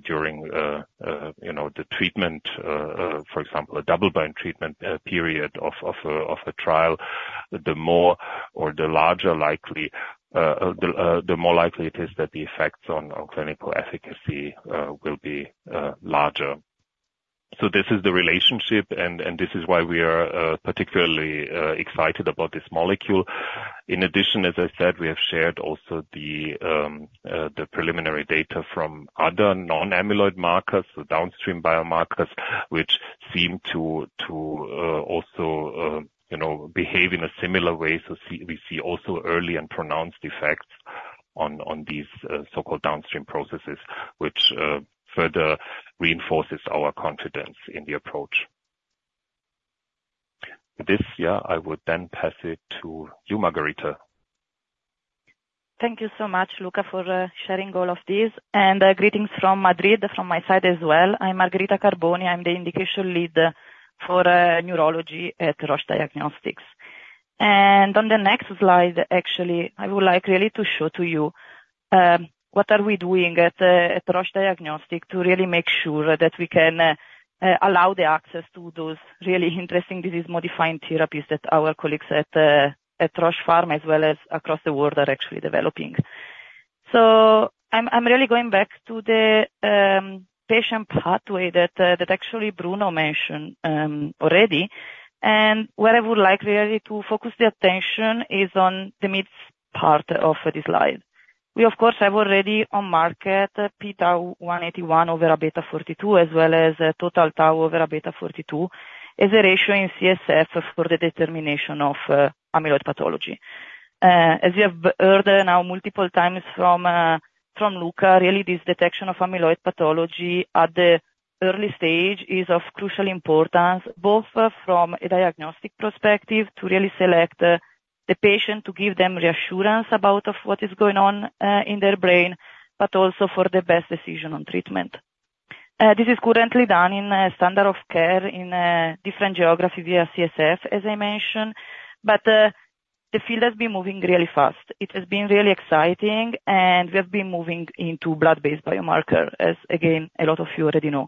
during the treatment, for example, a double-blind treatment period of a trial, the more or the larger likely the more likely it is that the effects on clinical efficacy will be larger. So this is the relationship, and this is why we are particularly excited about this molecule. In addition, as I said, we have shared also the preliminary data from other non-amyloid markers, so downstream biomarkers, which seem to also behave in a similar way. So we see also early and pronounced effects on these so-called downstream processes, which further reinforces our confidence in the approach. With this, yeah, I would then pass it to you, Margherita. Thank you so much, Luka, for sharing all of this. And greetings from Madrid from my side as well. I'm Margherita Carboni. I'm the indication lead for neurology at Roche Diagnostics. And on the next slide, actually, I would like really to show to you what are we doing at Roche Diagnostics to really make sure that we can allow the access to those really interesting disease-modifying therapies that our colleagues at Roche Pharma, as well as across the world, are actually developing. So I'm really going back to the patient pathway that actually Bruno mentioned already. And where I would like really to focus the attention is on the mid part of this slide. We, of course, have already on market pTau181 over Aβ42, as well as total Tau over Aβ42 as a ratio in CSF for the determination of amyloid pathology. As you have heard now multiple times from Luka, really this detection of amyloid pathology at the early stage is of crucial importance, both from a diagnostic perspective to really select the patient to give them reassurance about what is going on in their brain, but also for the best decision on treatment. This is currently done in a standard of care in different geographies via CSF, as I mentioned. But the field has been moving really fast. It has been really exciting, and we have been moving into blood-based biomarkers, as again, a lot of you already know.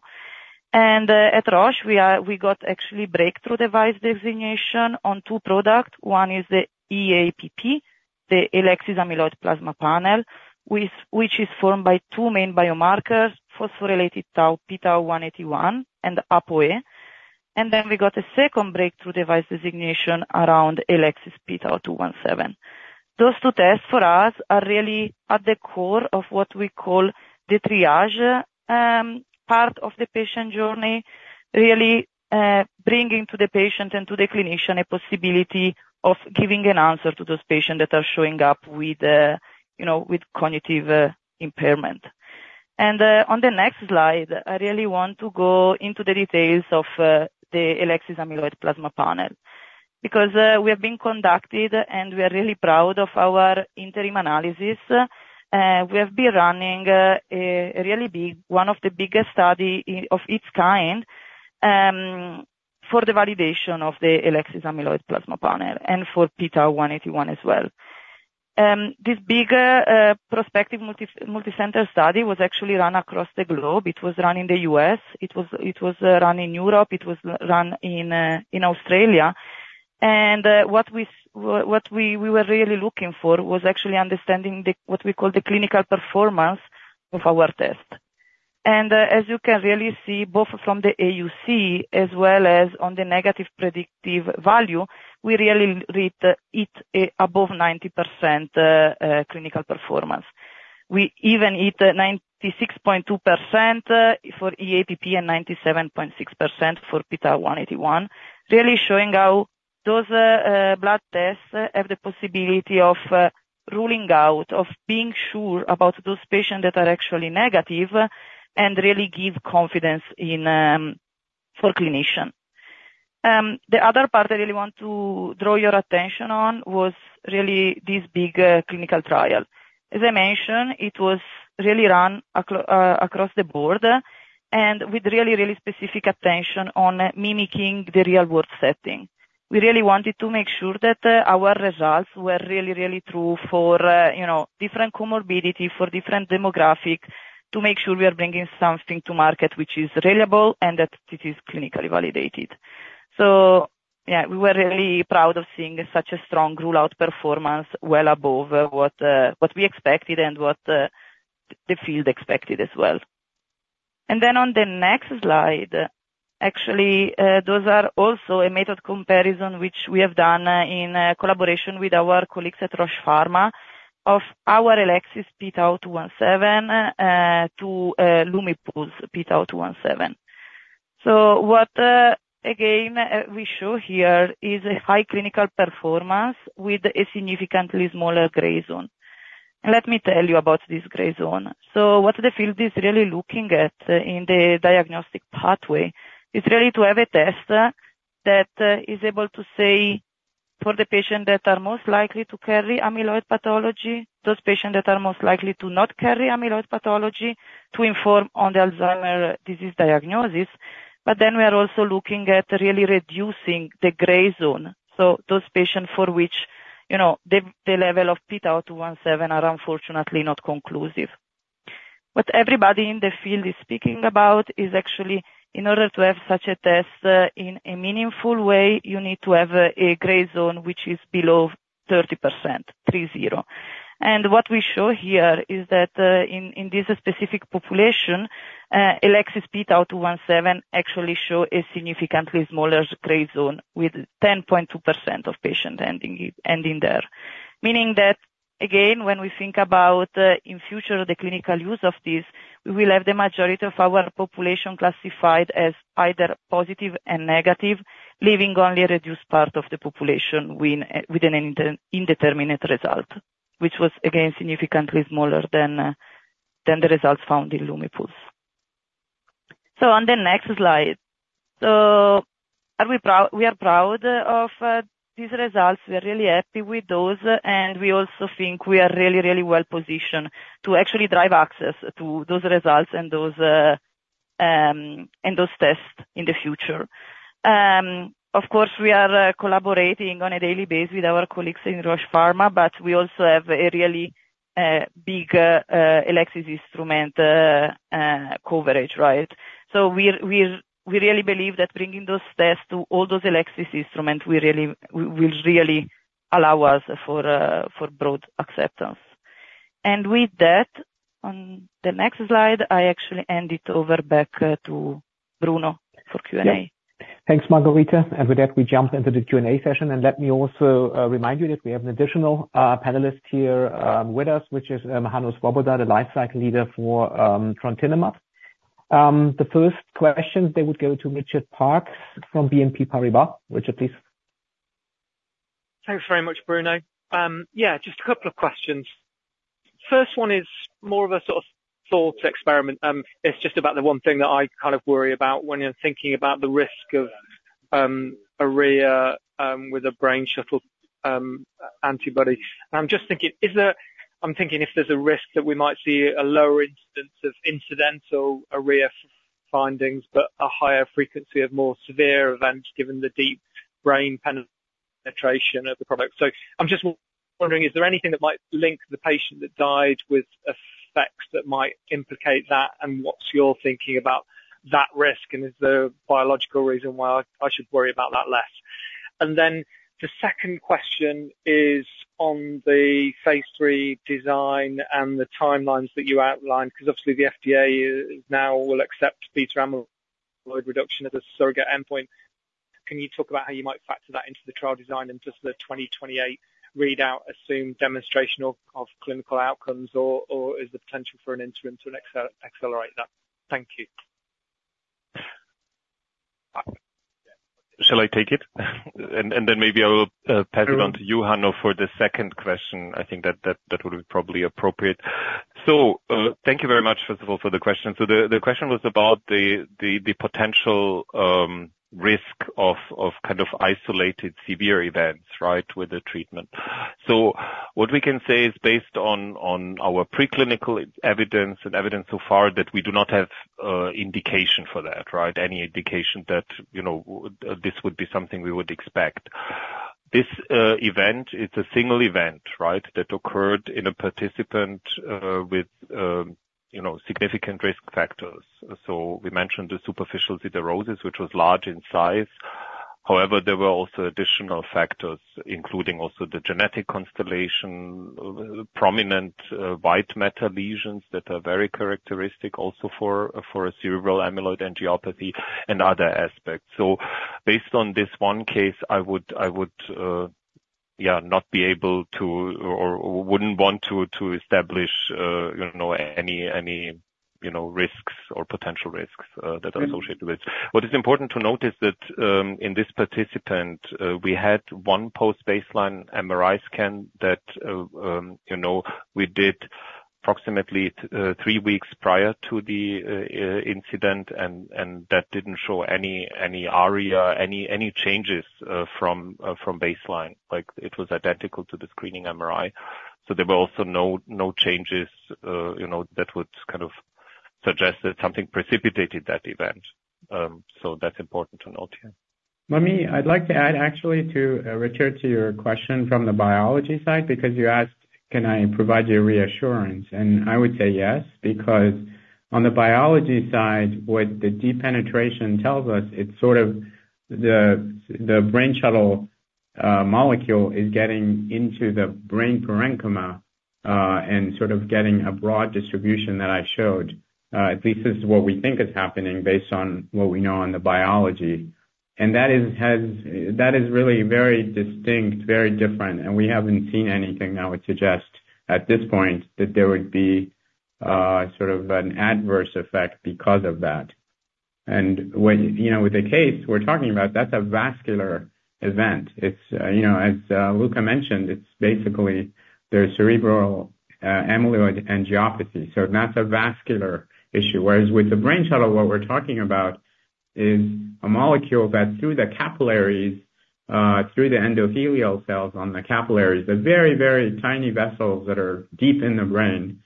And at Roche, we got actually breakthrough device designation on two products. One is the EAPP, the Elecsys Amyloid Plasma Panel, which is formed by two main biomarkers, phosphorylated Tau, pTau181, and ApoE. And then we got a second breakthrough device designation around Elecsys pTau217. Those two tests for us are really at the core of what we call the triage part of the patient journey, really bringing to the patient and to the clinician a possibility of giving an answer to those patients that are showing up with cognitive impairment. And on the next slide, I really want to go into the details of the Elecsys Amyloid Plasma Panel because we have been conducted, and we are really proud of our interim analysis. We have been running a really big, one of the biggest studies of its kind for the validation of the Elecsys Amyloid Plasma Panel and for pTau181 as well. This big prospective multicenter study was actually run across the globe. It was run in the U.S. It was run in Europe. It was run in Australia, and what we were really looking for was actually understanding what we call the clinical performance of our test, and as you can really see, both from the AUC as well as on the negative predictive value, we really hit above 90% clinical performance. We even hit 96.2% for EAPP and 97.6% for pTau181, really showing how those blood tests have the possibility of ruling out, of being sure about those patients that are actually negative and really give confidence for clinicians. The other part I really want to draw your attention on was really this big clinical trial. As I mentioned, it was really run across the board and with really, really specific attention on mimicking the real-world setting. We really wanted to make sure that our results were really, really true for different comorbidities, for different demographics, to make sure we are bringing something to market which is reliable and that it is clinically validated. So yeah, we were really proud of seeing such a strong rule-out performance well above what we expected and what the field expected as well. And then on the next slide, actually, those are also a method comparison which we have done in collaboration with our colleagues at Roche Pharma of our Elecsys pTau217 to Lumipulse pTau217. So what, again, we show here is a high clinical performance with a significantly smaller gray zone. And let me tell you about this gray zone. So what the field is really looking at in the diagnostic pathway is really to have a test that is able to say for the patients that are most likely to carry amyloid pathology, those patients that are most likely to not carry amyloid pathology, to inform on the Alzheimer's disease diagnosis. But then we are also looking at really reducing the gray zone. So those patients for which the level of pTau217 are unfortunately not conclusive. What everybody in the field is speaking about is actually, in order to have such a test in a meaningful way, you need to have a gray zone which is below 30%, 3-0. And what we show here is that in this specific population, Elecsys pTau217 actually shows a significantly smaller gray zone with 10.2% of patients ending there. Meaning that, again, when we think about in future, the clinical use of this, we will have the majority of our population classified as either positive and negative, leaving only a reduced part of the population with an indeterminate result, which was, again, significantly smaller than the results found in Lumipulse. So on the next slide, so we are proud of these results. We are really happy with those. And we also think we are really, really well positioned to actually drive access to those results and those tests in the future. Of course, we are collaborating on a daily basis with our colleagues in Roche Pharma, but we also have a really big Elecsys instrument coverage, right? So we really believe that bringing those tests to all those Elecsys instruments will really allow us for broad acceptance. And with that, on the next slide, I actually hand it over back to Bruno for Q&A. Thanks, Margherita. And with that, we jump into the Q&A session. And let me also remind you that we have an additional panelist here with us, which is Hanno Svoboda, the life cycle leader for Trontinumab. The first question, they would go to Richard Parkes from BNP Paribas. Richard, please. Thanks very much, Bruno. Yeah, just a couple of questions. First one is more of a sort of thought experiment. It's just about the one thing that I kind of worry about when I'm thinking about the risk of ARIA with a Brainshuttle antibody. And I'm just thinking, I'm thinking if there's a risk that we might see a lower incidence of incidental ARIA findings, but a higher frequency of more severe events given the deep brain penetration of the product. I'm just wondering, is there anything that might link the patient that died with effects that might implicate that? And what's your thinking about that risk? And is there a biological reason why I should worry about that less? And then the second question is on the phase III design and the timelines that you outlined, because obviously the FDA now will accept beta amyloid reduction at the surrogate endpoint. Can you talk about how you might factor that into the trial design and just the 2028 readout assumed demonstration of clinical outcomes, or is the potential for an interim to accelerate that? Thank you. Shall I take it? And then maybe I will pass it on to you, Hanno, for the second question. I think that would be probably appropriate. Thank you very much, first of all, for the question. So the question was about the potential risk of kind of isolated severe events, right, with the treatment. So what we can say is based on our preclinical evidence and evidence so far that we do not have indication for that, right, any indication that this would be something we would expect. This event is a single event, right, that occurred in a participant with significant risk factors. So we mentioned the superficial siderosis, which was large in size. However, there were also additional factors, including also the genetic constellation, prominent white matter lesions that are very characteristic also for a cerebral amyloid angiopathy and other aspects. So based on this one case, I would, yeah, not be able to or wouldn't want to establish any risks or potential risks that are associated with this. What is important to note is that in this participant, we had one post-baseline MRI scan that we did approximately three weeks prior to the incident, and that didn't show any area, any changes from baseline. It was identical to the screening MRI. So there were also no changes that would kind of suggest that something precipitated that event. So that's important to note here. Let me, I'd like to add actually to return to your question from the biology side because you asked, can I provide you reassurance? And I would say yes, because on the biology side, what the deep penetration tells us, it's sort of the Brainshuttle molecule is getting into the brain parenchyma and sort of getting a broad distribution that I showed. At least this is what we think is happening based on what we know on the biology. And that is really very distinct, very different. And we haven't seen anything now would suggest at this point that there would be sort of an adverse effect because of that. And with the case we're talking about, that's a vascular event. As Luka mentioned, it's basically there cerebral amyloid angiopathy. So that's a vascular issue. Whereas with the Brainshuttle, what we're talking about is a molecule that through the capillaries, through the endothelial cells on the capillaries, the very, very tiny vessels that are deep in the brain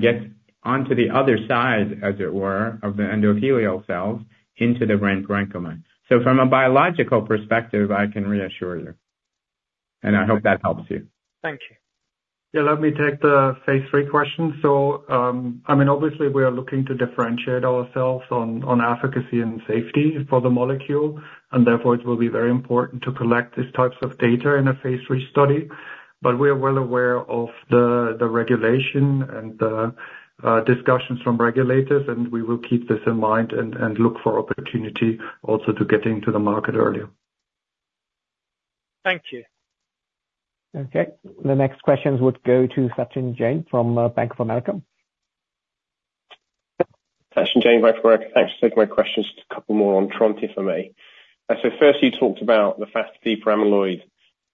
get onto the other side, as it were, of the endothelial cells into the brain parenchyma. So from a biological perspective, I can reassure you. And I hope that helps you. Thank you. Yeah, let me take the phase III question. So I mean, obviously, we are looking to differentiate ourselves on efficacy and safety for the molecule. Therefore, it will be very important to collect these types of data in a phase III study. We are well aware of the regulation and the discussions from regulators. We will keep this in mind and look for opportunity also to get into the market earlier. Thank you. Okay. The next questions would go to Sachin Jain from Bank of America. Sachin Jain, Bank of America. Thanks for taking my questions. Just a couple more on Trontinumab. So first, you talked about the faster deeper amyloid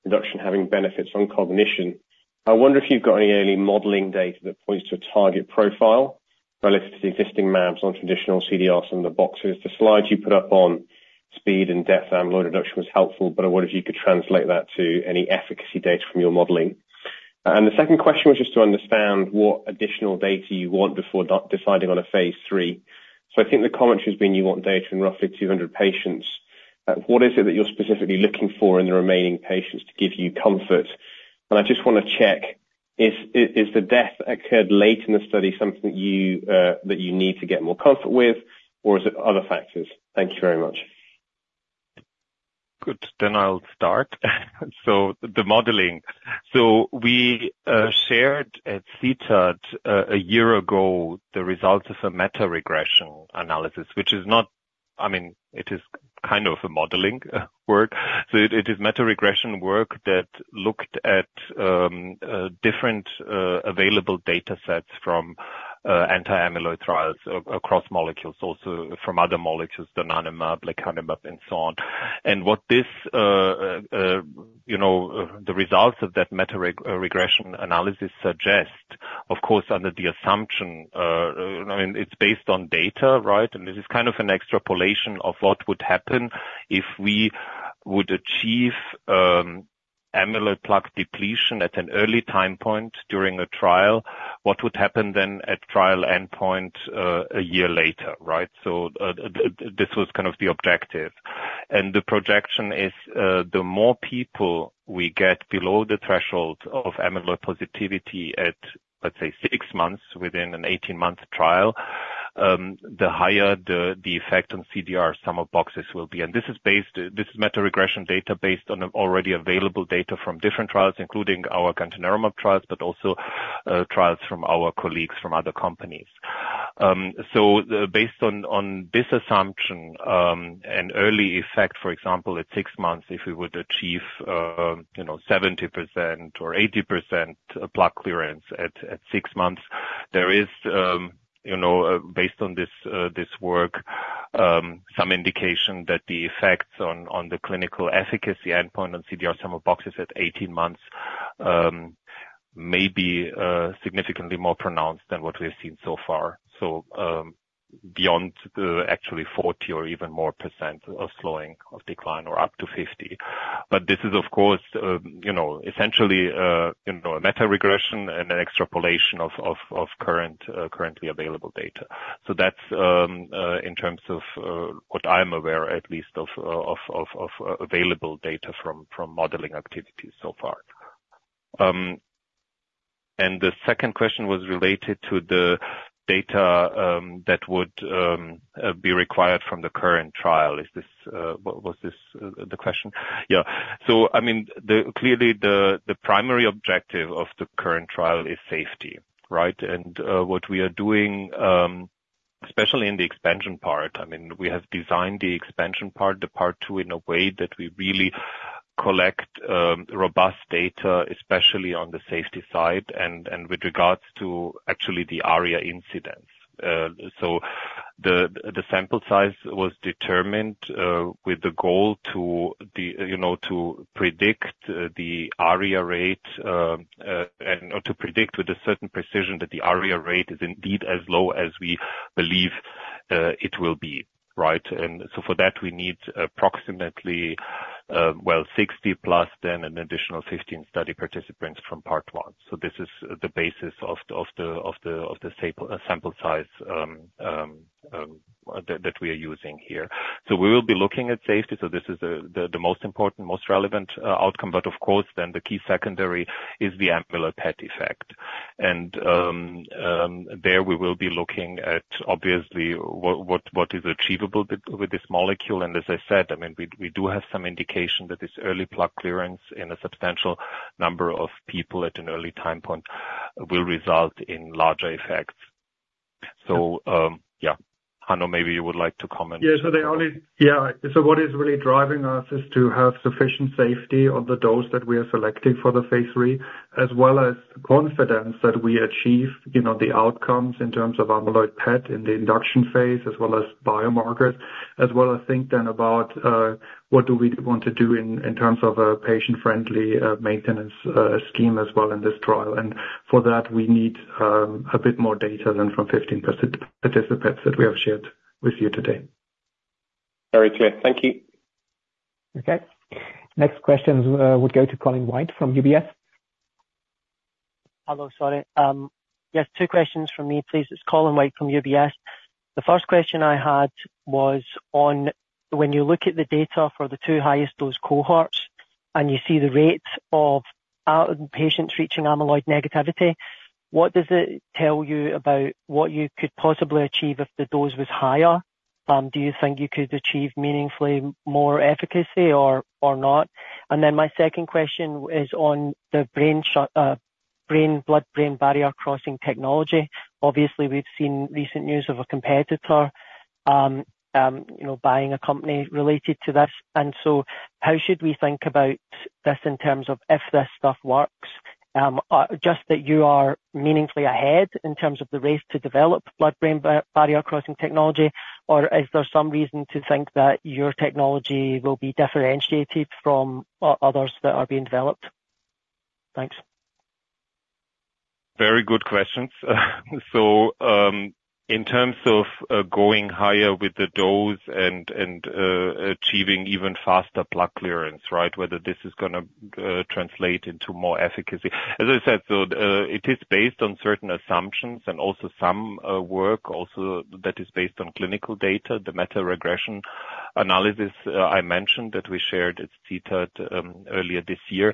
reduction having benefits on cognition. I wonder if you've got any early modeling data that points to a target profile relative to existing mAbs on traditional CDR Sum of Boxes. The slides you put up on speed and depth amyloid reduction was helpful, but I wonder if you could translate that to any efficacy data from your modeling. The second question was just to understand what additional data you want before deciding on a phase III. I think the commentary has been you want data in roughly 200 patients. What is it that you're specifically looking for in the remaining patients to give you comfort? And I just want to check, is the death occurred late in the study something that you need to get more comfort with, or is it other factors? Thank you very much. Good. Then I'll start. The modeling. We shared at CTAD a year ago the results of a meta-regression analysis, which is not, I mean, it is kind of a modeling work. It is meta-regression work that looked at different available data sets from anti-amyloid trials across molecules, also from other molecules, the donanemab, lecanemab, and so on. What the results of that meta-regression analysis suggest, of course, under the assumption, I mean, it's based on data, right? This is kind of an extrapolation of what would happen if we would achieve amyloid plaque depletion at an early time point during a trial, what would happen then at trial endpoint a year later, right? So this was kind of the objective. The projection is the more people we get below the threshold of amyloid positivity at, let's say, six months within an 18-month trial, the higher the effect on CDR Sum of Boxes will be. This is meta-regression data based on already available data from different trials, including our gantenerumab trials, but also trials from our colleagues from other companies. So based on this assumption and early effect, for example, at six months, if we would achieve 70% or 80% plaque clearance at six months, there is, based on this work, some indication that the effects on the clinical efficacy endpoint on CDR Sum of Boxes at 18 months may be significantly more pronounced than what we have seen so far. So beyond actually 40% or even more percent of slowing of decline or up to 50%. But this is, of course, essentially a meta-regression and an extrapolation of currently available data. So that's in terms of what I'm aware, at least, of available data from modeling activities so far. And the second question was related to the data that would be required from the current trial. Was this the question? Yeah. So I mean, clearly, the primary objective of the current trial is safety, right? What we are doing, especially in the expansion part, I mean, we have designed the expansion part, the part two in a way that we really collect robust data, especially on the safety side and with regards to actually the ARIA incidence. So the sample size was determined with the goal to predict the ARIA rate and to predict with a certain precision that the ARIA rate is indeed as low as we believe it will be, right? And so for that, we need approximately, well, 60 plus then an additional 15 study participants from part one. So this is the basis of the sample size that we are using here. So we will be looking at safety. So this is the most important, most relevant outcome. But of course, then the key secondary is the amyloid PET effect. There we will be looking at, obviously, what is achievable with this molecule. As I said, I mean, we do have some indication that this early plaque clearance in a substantial number of people at an early time point will result in larger effects. Yeah, Hanno, maybe you would like to comment. Yeah, so the only, yeah, so what is really driving us is to have sufficient safety on the dose that we are selecting for the phase III, as well as confidence that we achieve the outcomes in terms of amyloid PET in the induction phase, as well as biomarkers, as well as think then about what do we want to do in terms of a patient-friendly maintenance scheme as well in this trial. For that, we need a bit more data than from 15 participants that we have shared with you today. Very clear. Thank you. Okay. Next questions would go to Colin White from UBS. Hello, sorry. Yes, two questions from me, please. It's Colin White from UBS. The first question I had was on when you look at the data for the two highest dose cohorts and you see the rate of patients reaching amyloid negativity, what does it tell you about what you could possibly achieve if the dose was higher? Do you think you could achieve meaningfully more efficacy or not? And then my second question is on the blood-brain barrier crossing technology. Obviously, we've seen recent news of a competitor buying a company related to this. And so how should we think about this in terms of if this stuff works? Just that you are meaningfully ahead in terms of the rate to develop blood-brain barrier crossing technology, or is there some reason to think that your technology will be differentiated from others that are being developed? Thanks. Very good questions. So in terms of going higher with the dose and achieving even faster plaque clearance, right? Whether this is going to translate into more efficacy. As I said, so it is based on certain assumptions and also some work also that is based on clinical data, the meta-regression analysis I mentioned that we shared at CTAD earlier this year.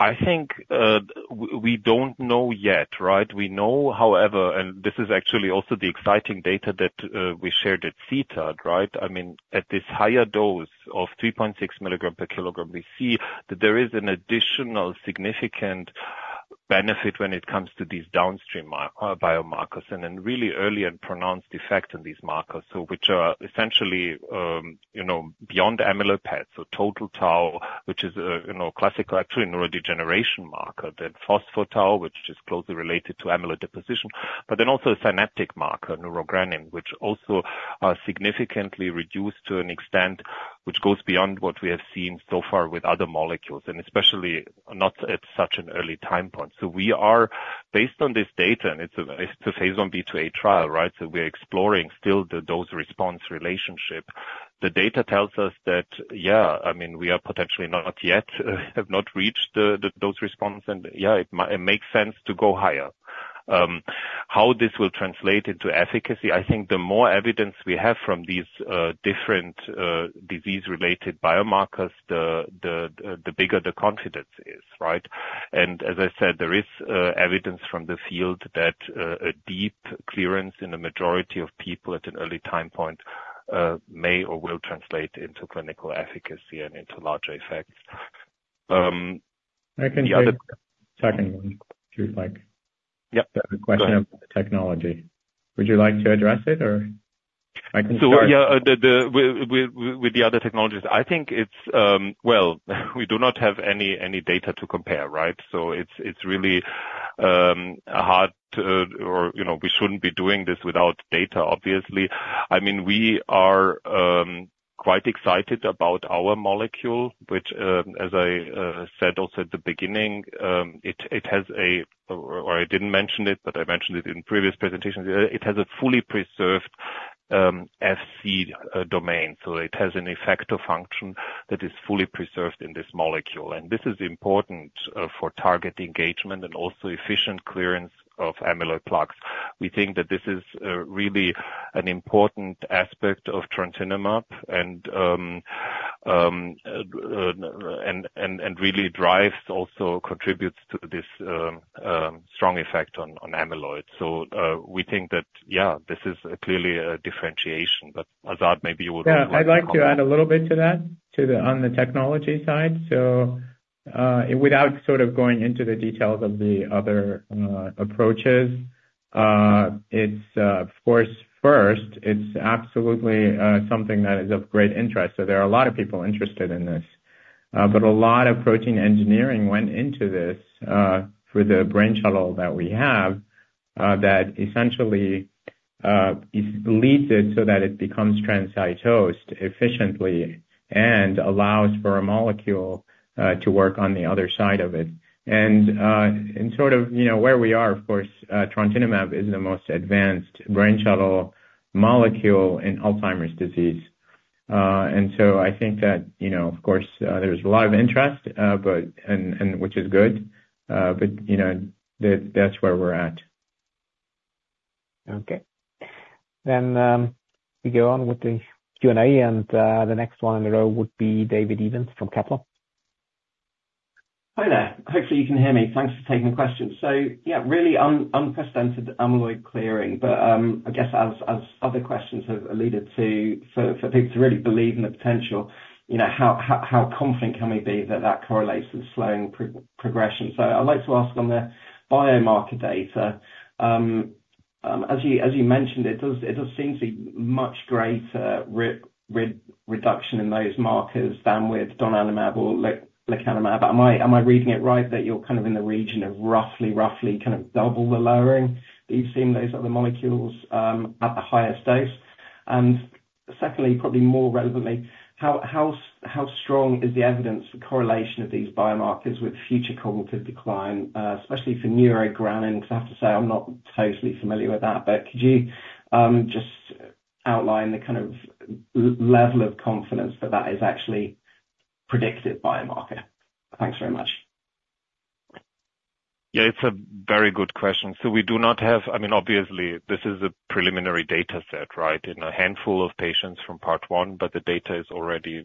I think we don't know yet, right? We know, however, and this is actually also the exciting data that we shared at CTAD, right? I mean, at this higher dose of 3.6 milligram per kilogram, we see that there is an additional significant benefit when it comes to these downstream biomarkers and then really early and pronounced effects on these markers, which are essentially beyond amyloid PET. So total Tau, which is a classical actually neurodegeneration marker, then phospho-tau, which is closely related to amyloid deposition, but then also a synaptic marker, neurogranin, which also are significantly reduced to an extent, which goes beyond what we have seen so far with other molecules, and especially not at such an early time point. So we are, based on this data, and it's a phase Ib/IIa trial, right? So we're exploring still the dose-response relationship. The data tells us that, yeah, I mean, we are potentially not yet have not reached the dose-response. And yeah, it makes sense to go higher. How this will translate into efficacy, I think the more evidence we have from these different disease-related biomarkers, the bigger the confidence is, right? And as I said, there is evidence from the field that a deep clearance in the majority of people at an early time point may or will translate into clinical efficacy and into larger effects. I can take the second one, if you'd like. Yeah. The question of technology. Would you like to address it, or I can start? So yeah, with the other technologies, I think it's, well, we do not have any data to compare, right? So it's really hard or we shouldn't be doing this without data, obviously. I mean, we are quite excited about our molecule, which, as I said also at the beginning, it has a, or I didn't mention it, but I mentioned it in previous presentations, it has a fully preserved Fc domain. So it has an effector function that is fully preserved in this molecule. And this is important for target engagement and also efficient clearance of amyloid plaques. We think that this is really an important aspect of Trontinumab and really drives also contributes to this strong effect on amyloid. So we think that, yeah, this is clearly a differentiation. But Azad, maybe you would. Yeah, I'd like to add a little bit to that on the technology side. So without sort of going into the details of the other approaches, of course, first, it's absolutely something that is of great interest. So there are a lot of people interested in this. But a lot of protein engineering went into this for the Brainshuttle that we have that essentially leads it so that it becomes transcytosed efficiently and allows for a molecule to work on the other side of it. And sort of where we are, of course, Trontinumab is the most advanced Brainshuttle molecule in Alzheimer's disease. And so I think that, of course, there's a lot of interest, which is good. But that's where we're at. Okay. Then we go on with the Q&A. And the next one in a row would be David Evans from Kepler Cheuvreux. Hi there. Hopefully, you can hear me. Thanks for taking the question. So yeah, really unprecedented amyloid clearing. But I guess as other questions have alluded to, for people to really believe in the potential, how confident can we be that that correlates with slowing progression? So I'd like to ask on the biomarker data. As you mentioned, it does seem to be much greater reduction in those markers than with donanemab or lecanemab. Am I reading it right that you're kind of in the region of roughly, roughly kind of double the lowering that you've seen those other molecules at the highest dose? And secondly, probably more relevantly, how strong is the evidence for correlation of these biomarkers with future cognitive decline, especially for neurogranin? Because I have to say, I'm not totally familiar with that. But could you just outline the kind of level of confidence that that is actually predicted biomarker? Thanks very much. Yeah, it's a very good question. So we do not have, I mean, obviously, this is a preliminary data set, right, in a handful of patients from part one, but the data is already,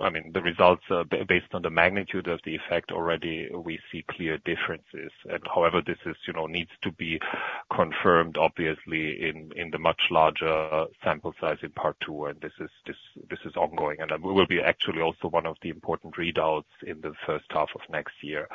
I mean, the results are based on the magnitude of the effect already. We see clear differences. And however, this needs to be confirmed, obviously, in the much larger sample size in part two. And this is ongoing. And we will be actually also one of the important readouts in the first half of next year.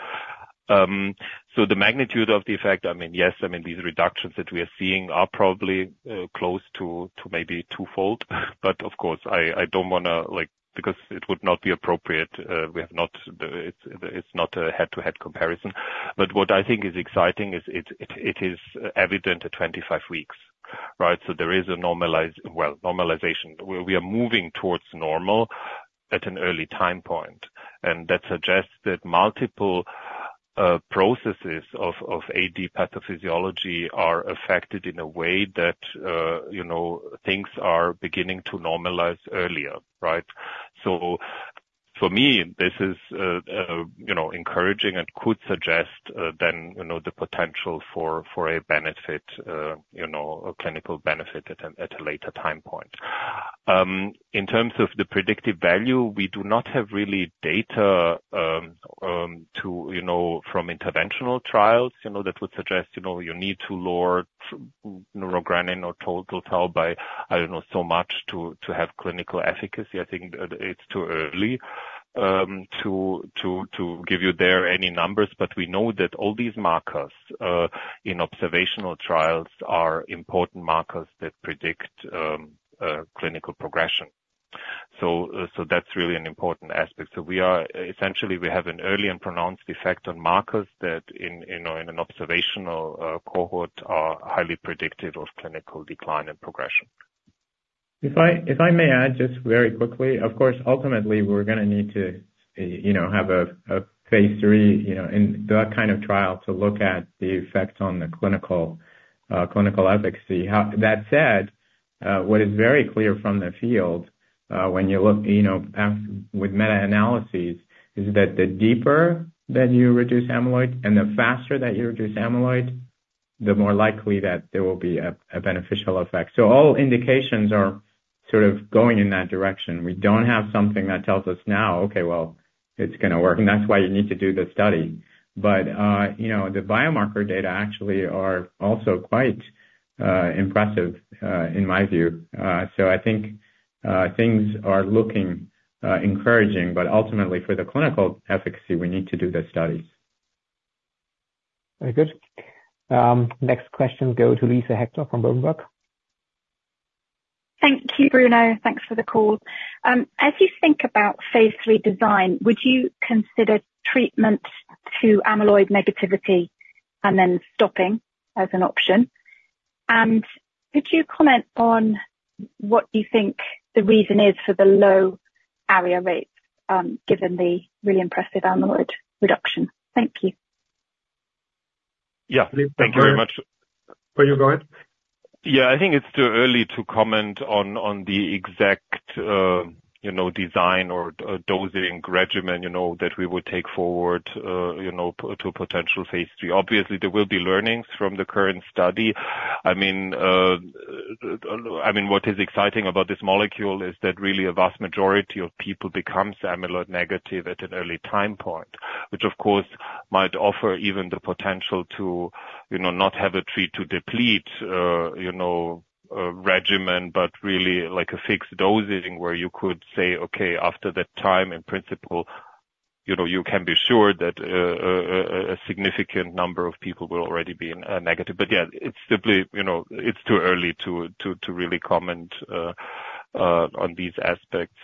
So the magnitude of the effect, I mean, yes, I mean, these reductions that we are seeing are probably close to maybe twofold. But of course, I don't want to, because it would not be appropriate. It's not a head-to-head comparison. But what I think is exciting is it is evident at 25 weeks, right? So there is a normalization. We are moving towards normal at an early time point. And that suggests that multiple processes of AD pathophysiology are affected in a way that things are beginning to normalize earlier, right? So for me, this is encouraging and could suggest then the potential for a benefit, a clinical benefit at a later time point. In terms of the predictive value, we do not have really data from interventional trials that would suggest you need to lower neurogranin or total tau by, I don't know, so much to have clinical efficacy. I think it's too early to give you there any numbers. But we know that all these markers in observational trials are important markers that predict clinical progression. So that's really an important aspect. So essentially, we have an early and pronounced effect on markers that in an observational cohort are highly predictive of clinical decline and progression. If I may add just very quickly, of course, ultimately, we're going to need to have a phase III in that kind of trial to look at the effect on the clinical efficacy. That said, what is very clear from the field when you look with meta-analyses is that the deeper that you reduce amyloid and the faster that you reduce amyloid, the more likely that there will be a beneficial effect. So all indications are sort of going in that direction. We don't have something that tells us now, "Okay, well, it's going to work." And that's why you need to do the study. But the biomarker data actually are also quite impressive in my view. So I think things are looking encouraging. But ultimately, for the clinical efficacy, we need to do the studies. Very good. Next question goes to Luisa Hector from Berenberg. Thank you, Bruno. Thanks for the call. As you think about phase III design, would you consider treatment to amyloid negativity and then stopping as an option? And could you comment on what you think the reason is for the low ARIA rates given the really impressive amyloid reduction? Thank you. Yeah. Thank you very much. Will you go ahead? Yeah, I think it's too early to comment on the exact design or dosing regimen that we would take forward to a potential phase III. Obviously, there will be learnings from the current study. I mean, what is exciting about this molecule is that really a vast majority of people becomes amyloid negative at an early time point, which of course might offer even the potential to not have a treat to deplete regimen, but really like a fixed dosing where you could say, "Okay, after that time, in principle, you can be sure that a significant number of people will already be negative." But yeah, it's simply too early to really comment on these aspects.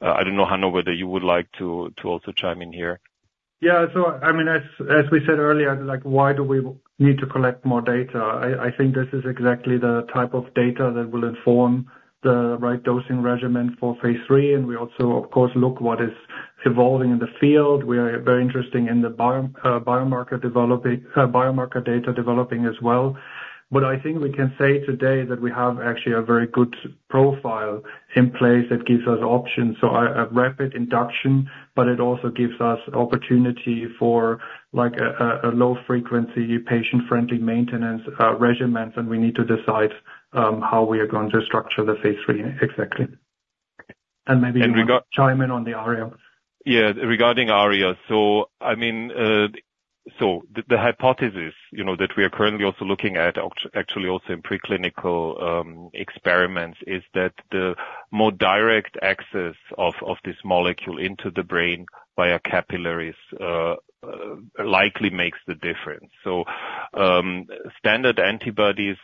I don't know, Hanno, whether you would like to also chime in here. Yeah. So I mean, as we said earlier, why do we need to collect more data? I think this is exactly the type of data that will inform the right dosing regimen for phase III. And we also, of course, look at what is evolving in the field. We are very interested in the biomarker data developing as well. But I think we can say today that we have actually a very good profile in place that gives us options. So a rapid induction, but it also gives us opportunity for a low-frequency patient-friendly maintenance regimens. And we need to decide how we are going to structure the phase III exactly. And maybe you can chime in on the ARIA. Yeah. Regarding ARIA. So I mean, the hypothesis that we are currently also looking at, actually also in preclinical experiments, is that the more direct access of this molecule into the brain via capillaries likely makes the difference. So standard antibodies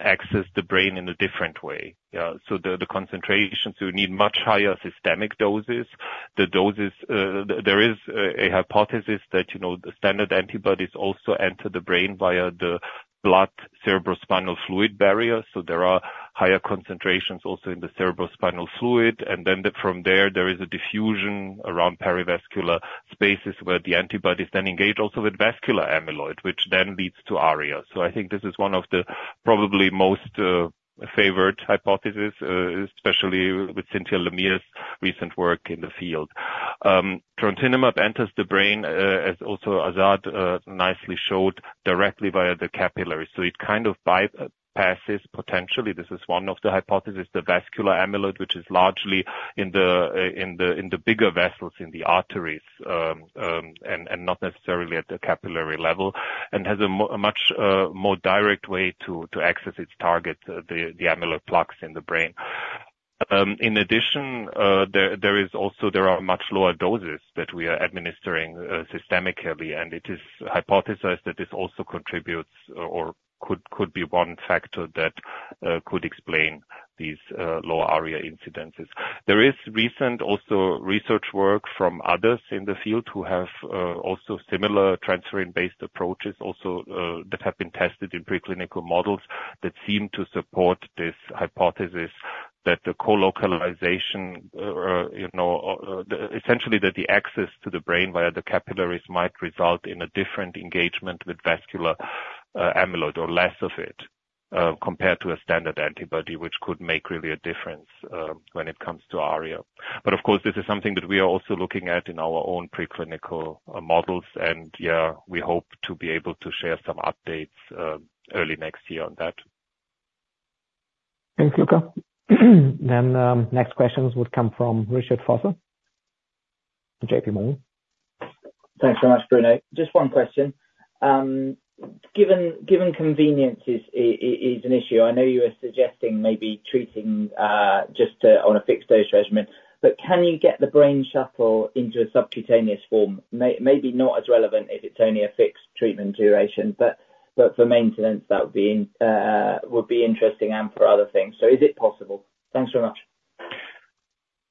access the brain in a different way. So the concentrations, you need much higher systemic doses. There is a hypothesis that the standard antibodies also enter the brain via the blood-cerebrospinal fluid barrier. There are higher concentrations also in the cerebrospinal fluid. And then from there, there is a diffusion around perivascular spaces where the antibodies then engage also with vascular amyloid, which then leads to ARIA. I think this is one of the probably most favored hypotheses, especially with Cynthia Lemere's recent work in the field. Trontinumab enters the brain, as also Azad nicely showed, directly via the capillaries. It kind of bypasses potentially. This is one of the hypotheses, the vascular amyloid, which is largely in the bigger vessels in the arteries and not necessarily at the capillary level, and has a much more direct way to access its target, the amyloid plaques in the brain. In addition, there are much lower doses that we are administering systemically. It is hypothesized that this also contributes or could be one factor that could explain these lower ARIA incidences. There is recent also research work from others in the field who have also similar transferrin-based approaches that have been tested in preclinical models that seem to support this hypothesis that the co-localization, essentially that the access to the brain via the capillaries might result in a different engagement with vascular amyloid or less of it compared to a standard antibody, which could make really a difference when it comes to ARIA. But of course, this is something that we are also looking at in our own preclinical models. And yeah, we hope to be able to share some updates early next year on that. Thanks, Luka. Then next questions would come from Richard Vosser from J.P. Morgan. Thanks so much, Bruno. Just one question. Given convenience is an issue, I know you were suggesting maybe treating just on a fixed dose regimen. But can you get the Brainshuttle into a subcutaneous form? Maybe not as relevant if it's only a fixed treatment duration. But for maintenance, that would be interesting and for other things. So is it possible? Thanks very much.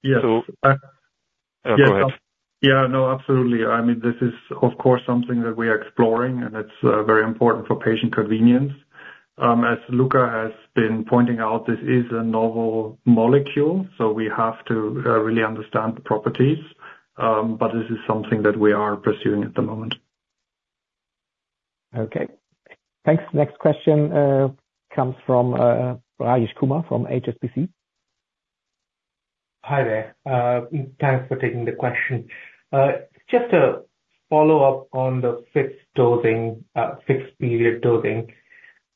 Yeah. Go ahead. Yeah. No, absolutely. I mean, this is, of course, something that we are exploring, and it's very important for patient convenience. As Luka has been pointing out, this is a novel molecule. So we have to really understand the properties. But this is something that we are pursuing at the moment. Okay. Thanks. Next question comes from Rajesh Kumar from HSBC. Hi there. Thanks for taking the question. Just a follow-up on the fixed period dosing.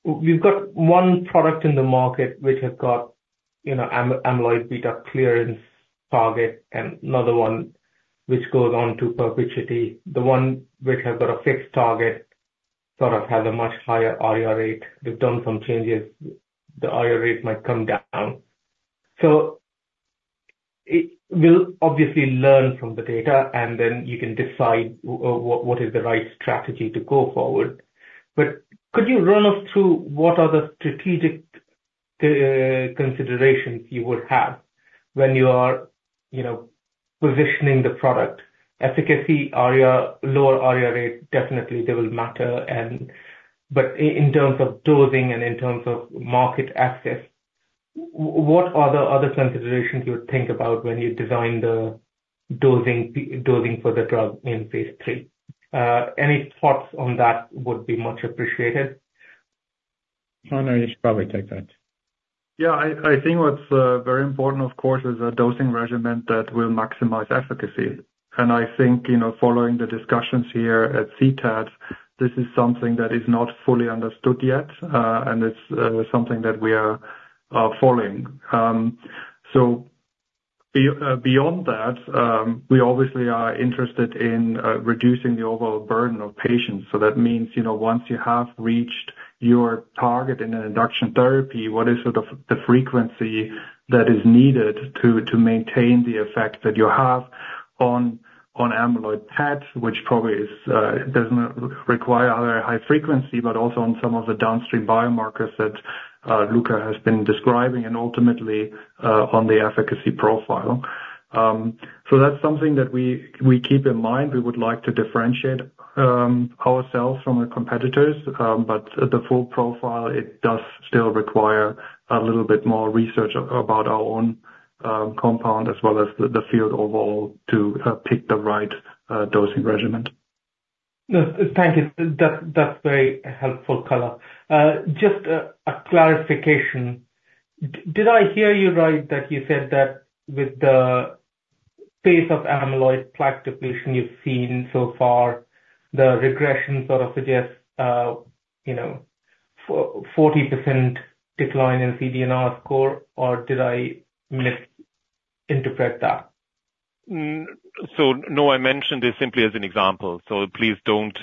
We've got one product in the market which has got amyloid beta clearance target and another one which goes on to perpetuity. The one which has got a fixed target sort of has a much higher ARIA rate. We've done some changes. The ARIA rate might come down. So we'll obviously learn from the data, and then you can decide what is the right strategy to go forward. But could you run us through what are the strategic considerations you would have when you are positioning the product? Efficacy, lower ARIA rate, definitely they will matter. But in terms of dosing and in terms of market access, what are the other considerations you would think about when you design the dosing for the drug in phase III? Any thoughts on that would be much appreciated. I know you should probably take that. Yeah. I think what's very important, of course, is a dosing regimen that will maximize efficacy. And I think following the discussions here at CTAD, this is something that is not fully understood yet. And it's something that we are following. So beyond that, we obviously are interested in reducing the overall burden of patients. So that means once you have reached your target in an induction therapy, what is sort of the frequency that is needed to maintain the effect that you have on amyloid PET, which probably doesn't require high frequency, but also on some of the downstream biomarkers that Luka has been describing, and ultimately on the efficacy profile. So that's something that we keep in mind. We would like to differentiate ourselves from the competitors. But the full profile, it does still require a little bit more research about our own compound as well as the field overall to pick the right dosing regimen. Thank you. That's very helpful, Colin. Just a clarification. Did I hear you right that you said that with the pace of amyloid plaque depletion you've seen so far, the regression sort of suggests 40% decline in CDR score, or did I misinterpret that? So no, I mentioned this simply as an example. So please don't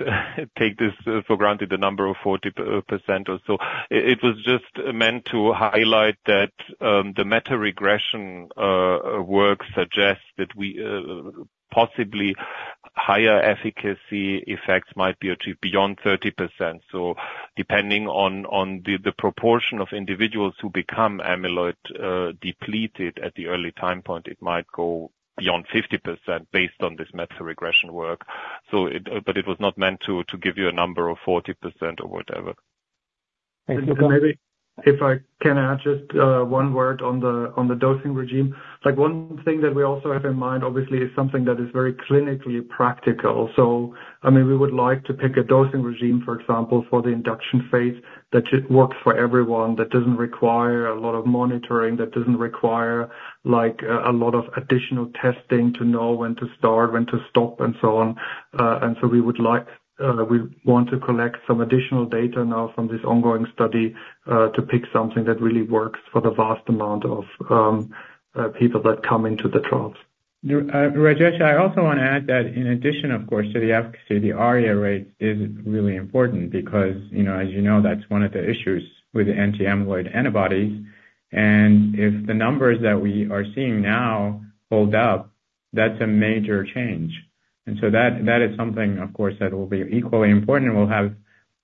take this for granted, the number of 40% or so. It was just meant to highlight that the meta-regression work suggests that possibly higher efficacy effects might be achieved beyond 30%. So depending on the proportion of individuals who become amyloid depleted at the early time point, it might go beyond 50% based on this meta-regression work. But it was not meant to give you a number of 40% or whatever. Thank you. Maybe if I can add just one word on the dosing regimen. One thing that we also have in mind, obviously, is something that is very clinically practical. So I mean, we would like to pick a dosing regimen, for example, for the induction phase that works for everyone, that doesn't require a lot of monitoring, that doesn't require a lot of additional testing to know when to start, when to stop, and so on, and so we want to collect some additional data now from this ongoing study to pick something that really works for the vast amount of people that come into the trials. Rajesh, I also want to add that in addition, of course, to the efficacy, the ARIA rate is really important because, as you know, that's one of the issues with the anti-amyloid antibodies, and if the numbers that we are seeing now hold up, that's a major change. And so that is something, of course, that will be equally important and will have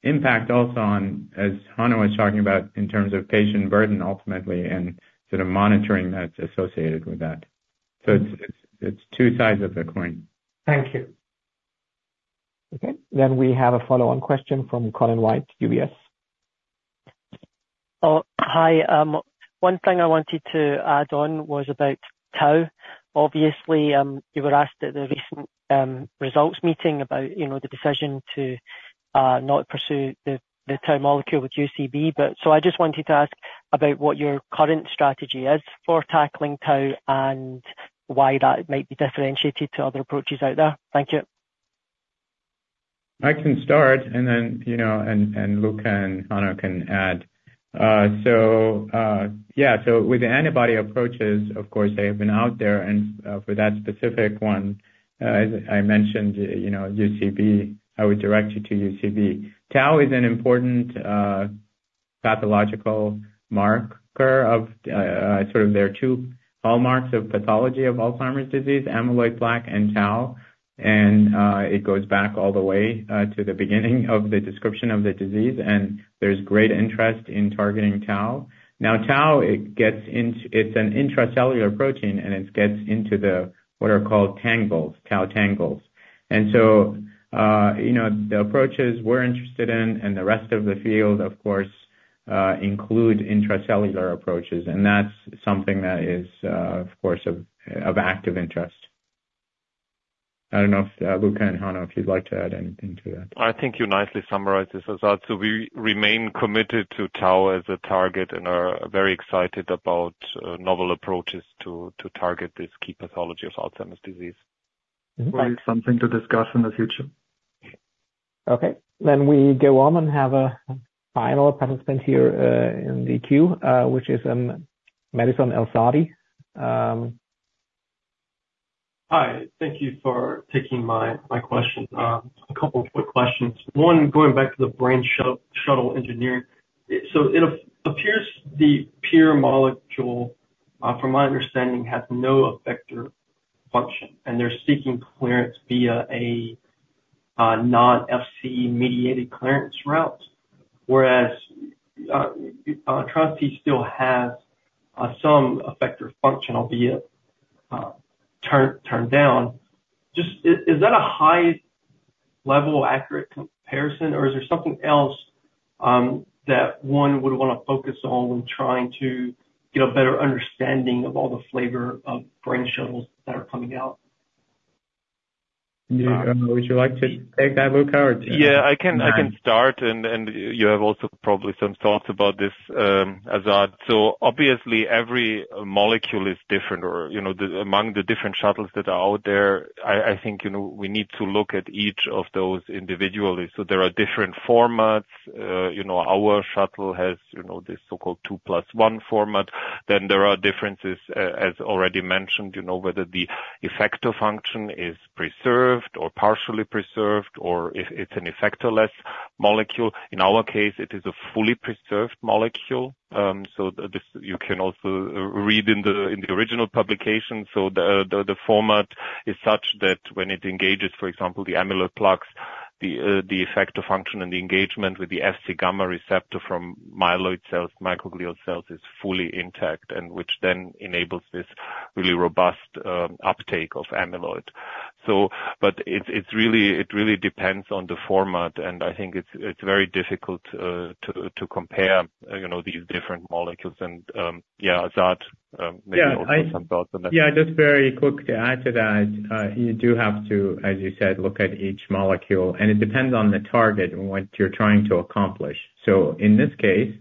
impact also on, as Hanna was talking about, in terms of patient burden ultimately and sort of monitoring that's associated with that. So it's two sides of the coin. Thank you. Okay. Then we have a follow-on question from Colin White from UBS. Hi. One thing I wanted to add on was about Tau. Obviously, you were asked at the recent results meeting about the decision to not pursue the Tau molecule with UCB. So I just wanted to ask about what your current strategy is for tackling Tau and why that might be differentiated to other approaches out there. Thank you. I can start, and then Luka and Hanna can add. So yeah. So with the antibody approaches, of course, they have been out there. For that specific one, as I mentioned, UCB. I would direct you to UCB. Tau is an important pathological marker of sort of their two hallmarks of pathology of Alzheimer's disease, amyloid plaque and Tau. And it goes back all the way to the beginning of the description of the disease. And there's great interest in targeting Tau. Now, Tau, it's an intracellular protein, and it gets into what are called tangles, Tau tangles. And so the approaches we're interested in and the rest of the field, of course, include intracellular approaches. And that's something that is, of course, of active interest. I don't know if Luka and Hanno, if you'd like to add anything to that. I think you nicely summarized this, Azad. So we remain committed to Tau as a target and are very excited about novel approaches to target this key pathology of Alzheimer's disease. That's something to discuss in the future. Okay. Then we go on and have a final participant here in the queue, which is Madison El-Saadi. Hi. Thank you for taking my question. A couple of quick questions. One, going back to the Brainshuttle engineering. So it appears the peer molecule, from my understanding, has no effector function. And they're seeking clearance via a non-Fc-mediated clearance route, whereas Trontinumab still has some effector function, albeit turned down. Is that a high-level accurate comparison, or is there something else that one would want to focus on when trying to get a better understanding of all the flavor of Brainshuttles that are coming out? Would you like to take that, Luka? Yeah. I can start. And you have also probably some thoughts about this, Azad. So obviously, every molecule is different. Or among the different shuttles that are out there, I think we need to look at each of those individually. So there are different formats. Our shuttle has this so-called 2 plus 1 format. Then there are differences, as already mentioned, whether the effector function is preserved or partially preserved or if it's an effectorless molecule. In our case, it is a fully preserved molecule. So you can also read in the original publication. So the format is such that when it engages, for example, the amyloid plaques, the effector function and the engagement with the Fc gamma receptor from myeloid cells, microglial cells is fully intact, which then enables this really robust uptake of amyloid. But it really depends on the format. And I think it's very difficult to compare these different molecules. And yeah, Azad, maybe also some thoughts on that. Yeah. Just very quick to add to that, you do have to, as you said, look at each molecule. And it depends on the target and what you're trying to accomplish. So in this case,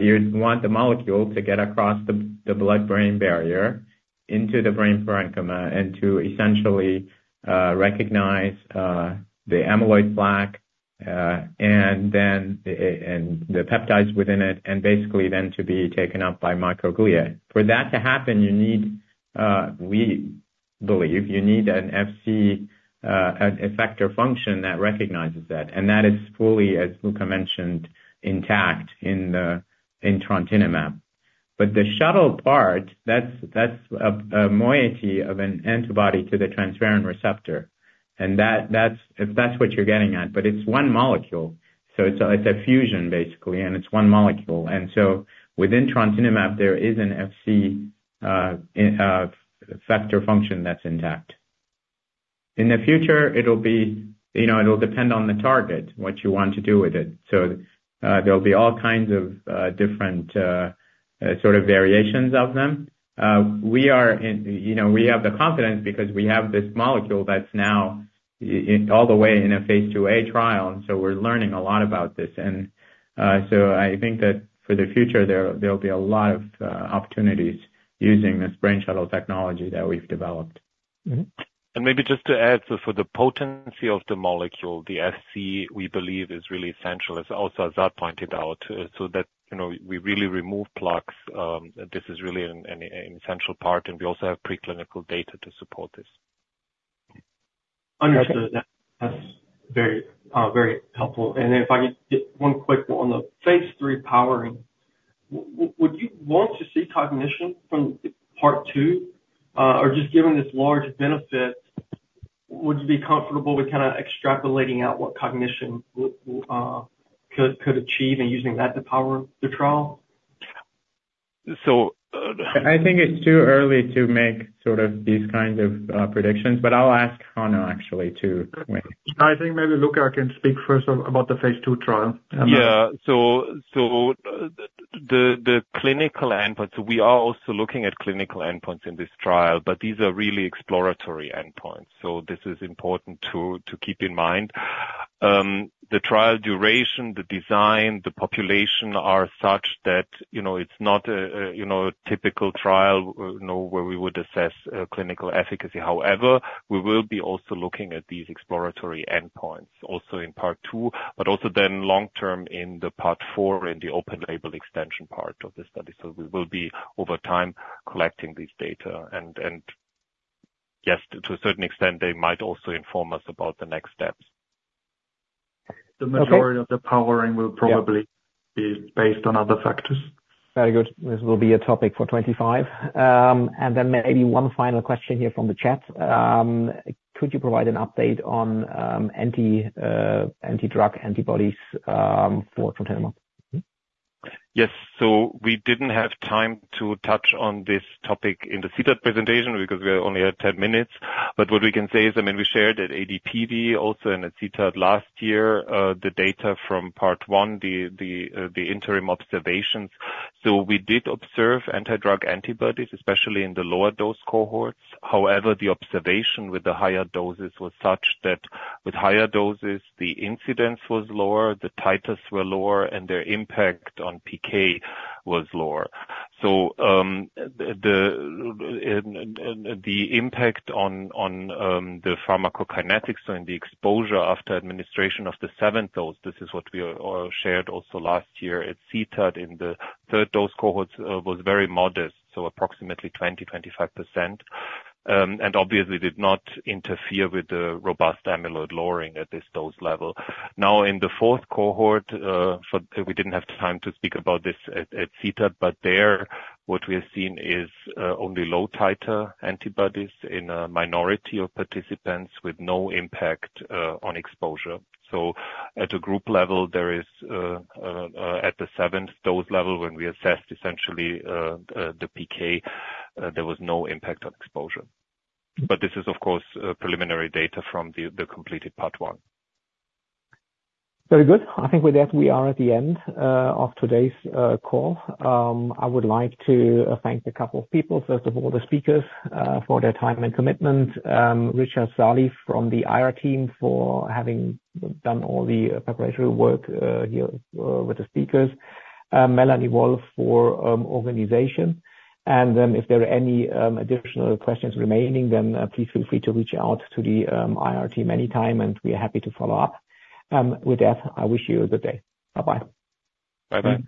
you'd want the molecule to get across the blood-brain barrier into the brain parenchyma and to essentially recognize the amyloid plaque and the peptides within it, and basically then to be taken up by microglia. For that to happen, we believe you need an Fc effector function that recognizes that. And that is fully, as Luka mentioned, intact in Trontinumab. But the shuttle part, that's a moiety of an antibody to the transferrin receptor. And that's what you're getting at. But it's one molecule. So it's a fusion, basically. And it's one molecule. And so within Trontinumab, there is an Fc effector function that's intact. In the future, it'll depend on the target, what you want to do with it. So there'll be all kinds of different sort of variations of them. We have the confidence because we have this molecule that's now all the way in a phase IIa trial. And so we're learning a lot about this. And so I think that for the future, there'll be a lot of opportunities using this Brainshuttle technology that we've developed. And maybe just to add, so for the potency of the molecule, the Fc, we believe, is really essential, as also Azad pointed out, so that we really remove plaques. This is really an essential part. And we also have preclinical data to support this. Understood. That's very helpful. And if I could get one quick one on the phase III powering, would you want to see cognition from part two? Or just given this large benefit, would you be comfortable with kind of extrapolating out what cognition could achieve and using that to power the trial? So I think it's too early to make sort of these kinds of predictions. But I'll ask Hanno, actually, too. I think maybe Luka can speak first about the phase II trial. Yeah. So the clinical endpoints, we are also looking at clinical endpoints in this trial. But these are really exploratory endpoints. So this is important to keep in mind. The trial duration, the design, the population are such that it's not a typical trial where we would assess clinical efficacy. However, we will be also looking at these exploratory endpoints, also in part two, but also then long-term in part four in the open-label extension part of the study. So we will be, over time, collecting this data. Yes, to a certain extent, they might also inform us about the next steps. The majority of the powering will probably be based on other factors. Very good. This will be a topic for 25. Then maybe one final question here from the chat. Could you provide an update on anti-drug antibodies for Trontinumab? Yes. So we didn't have time to touch on this topic in the CTAD presentation because we only had 10 minutes. But what we can say is, I mean, we shared at AD/PD also and at CTAD last year, the data from part one, the interim observations. So we did observe anti-drug antibodies, especially in the lower-dose cohorts. However, the observation with the higher doses was such that with higher doses, the incidence was lower, the titers were lower, and their impact on PK was lower. So the impact on the pharmacokinetics, so in the exposure after administration of the seventh dose, this is what we shared also last year at CTAD in the third-dose cohorts, was very modest, so approximately 20%-25%, and obviously did not interfere with the robust amyloid lowering at this dose level. Now, in the fourth cohort, we didn't have time to speak about this at CTAD. But there, what we have seen is only low-titer antibodies in a minority of participants with no impact on exposure. So at a group level, there is at the seventh-dose level, when we assessed essentially the PK, there was no impact on exposure. But this is, of course, preliminary data from the completed part one. Very good. I think with that, we are at the end of today's call. I would like to thank a couple of people, first of all, the speakers, for their time and commitment. Richard Saale from the IR team for having done all the preparatory work here with the speakers. Melanie Wolf for organization. And if there are any additional questions remaining, then please feel free to reach out to the IR team anytime. And we're happy to follow up with that. I wish you a good day. Bye-bye. Bye-bye.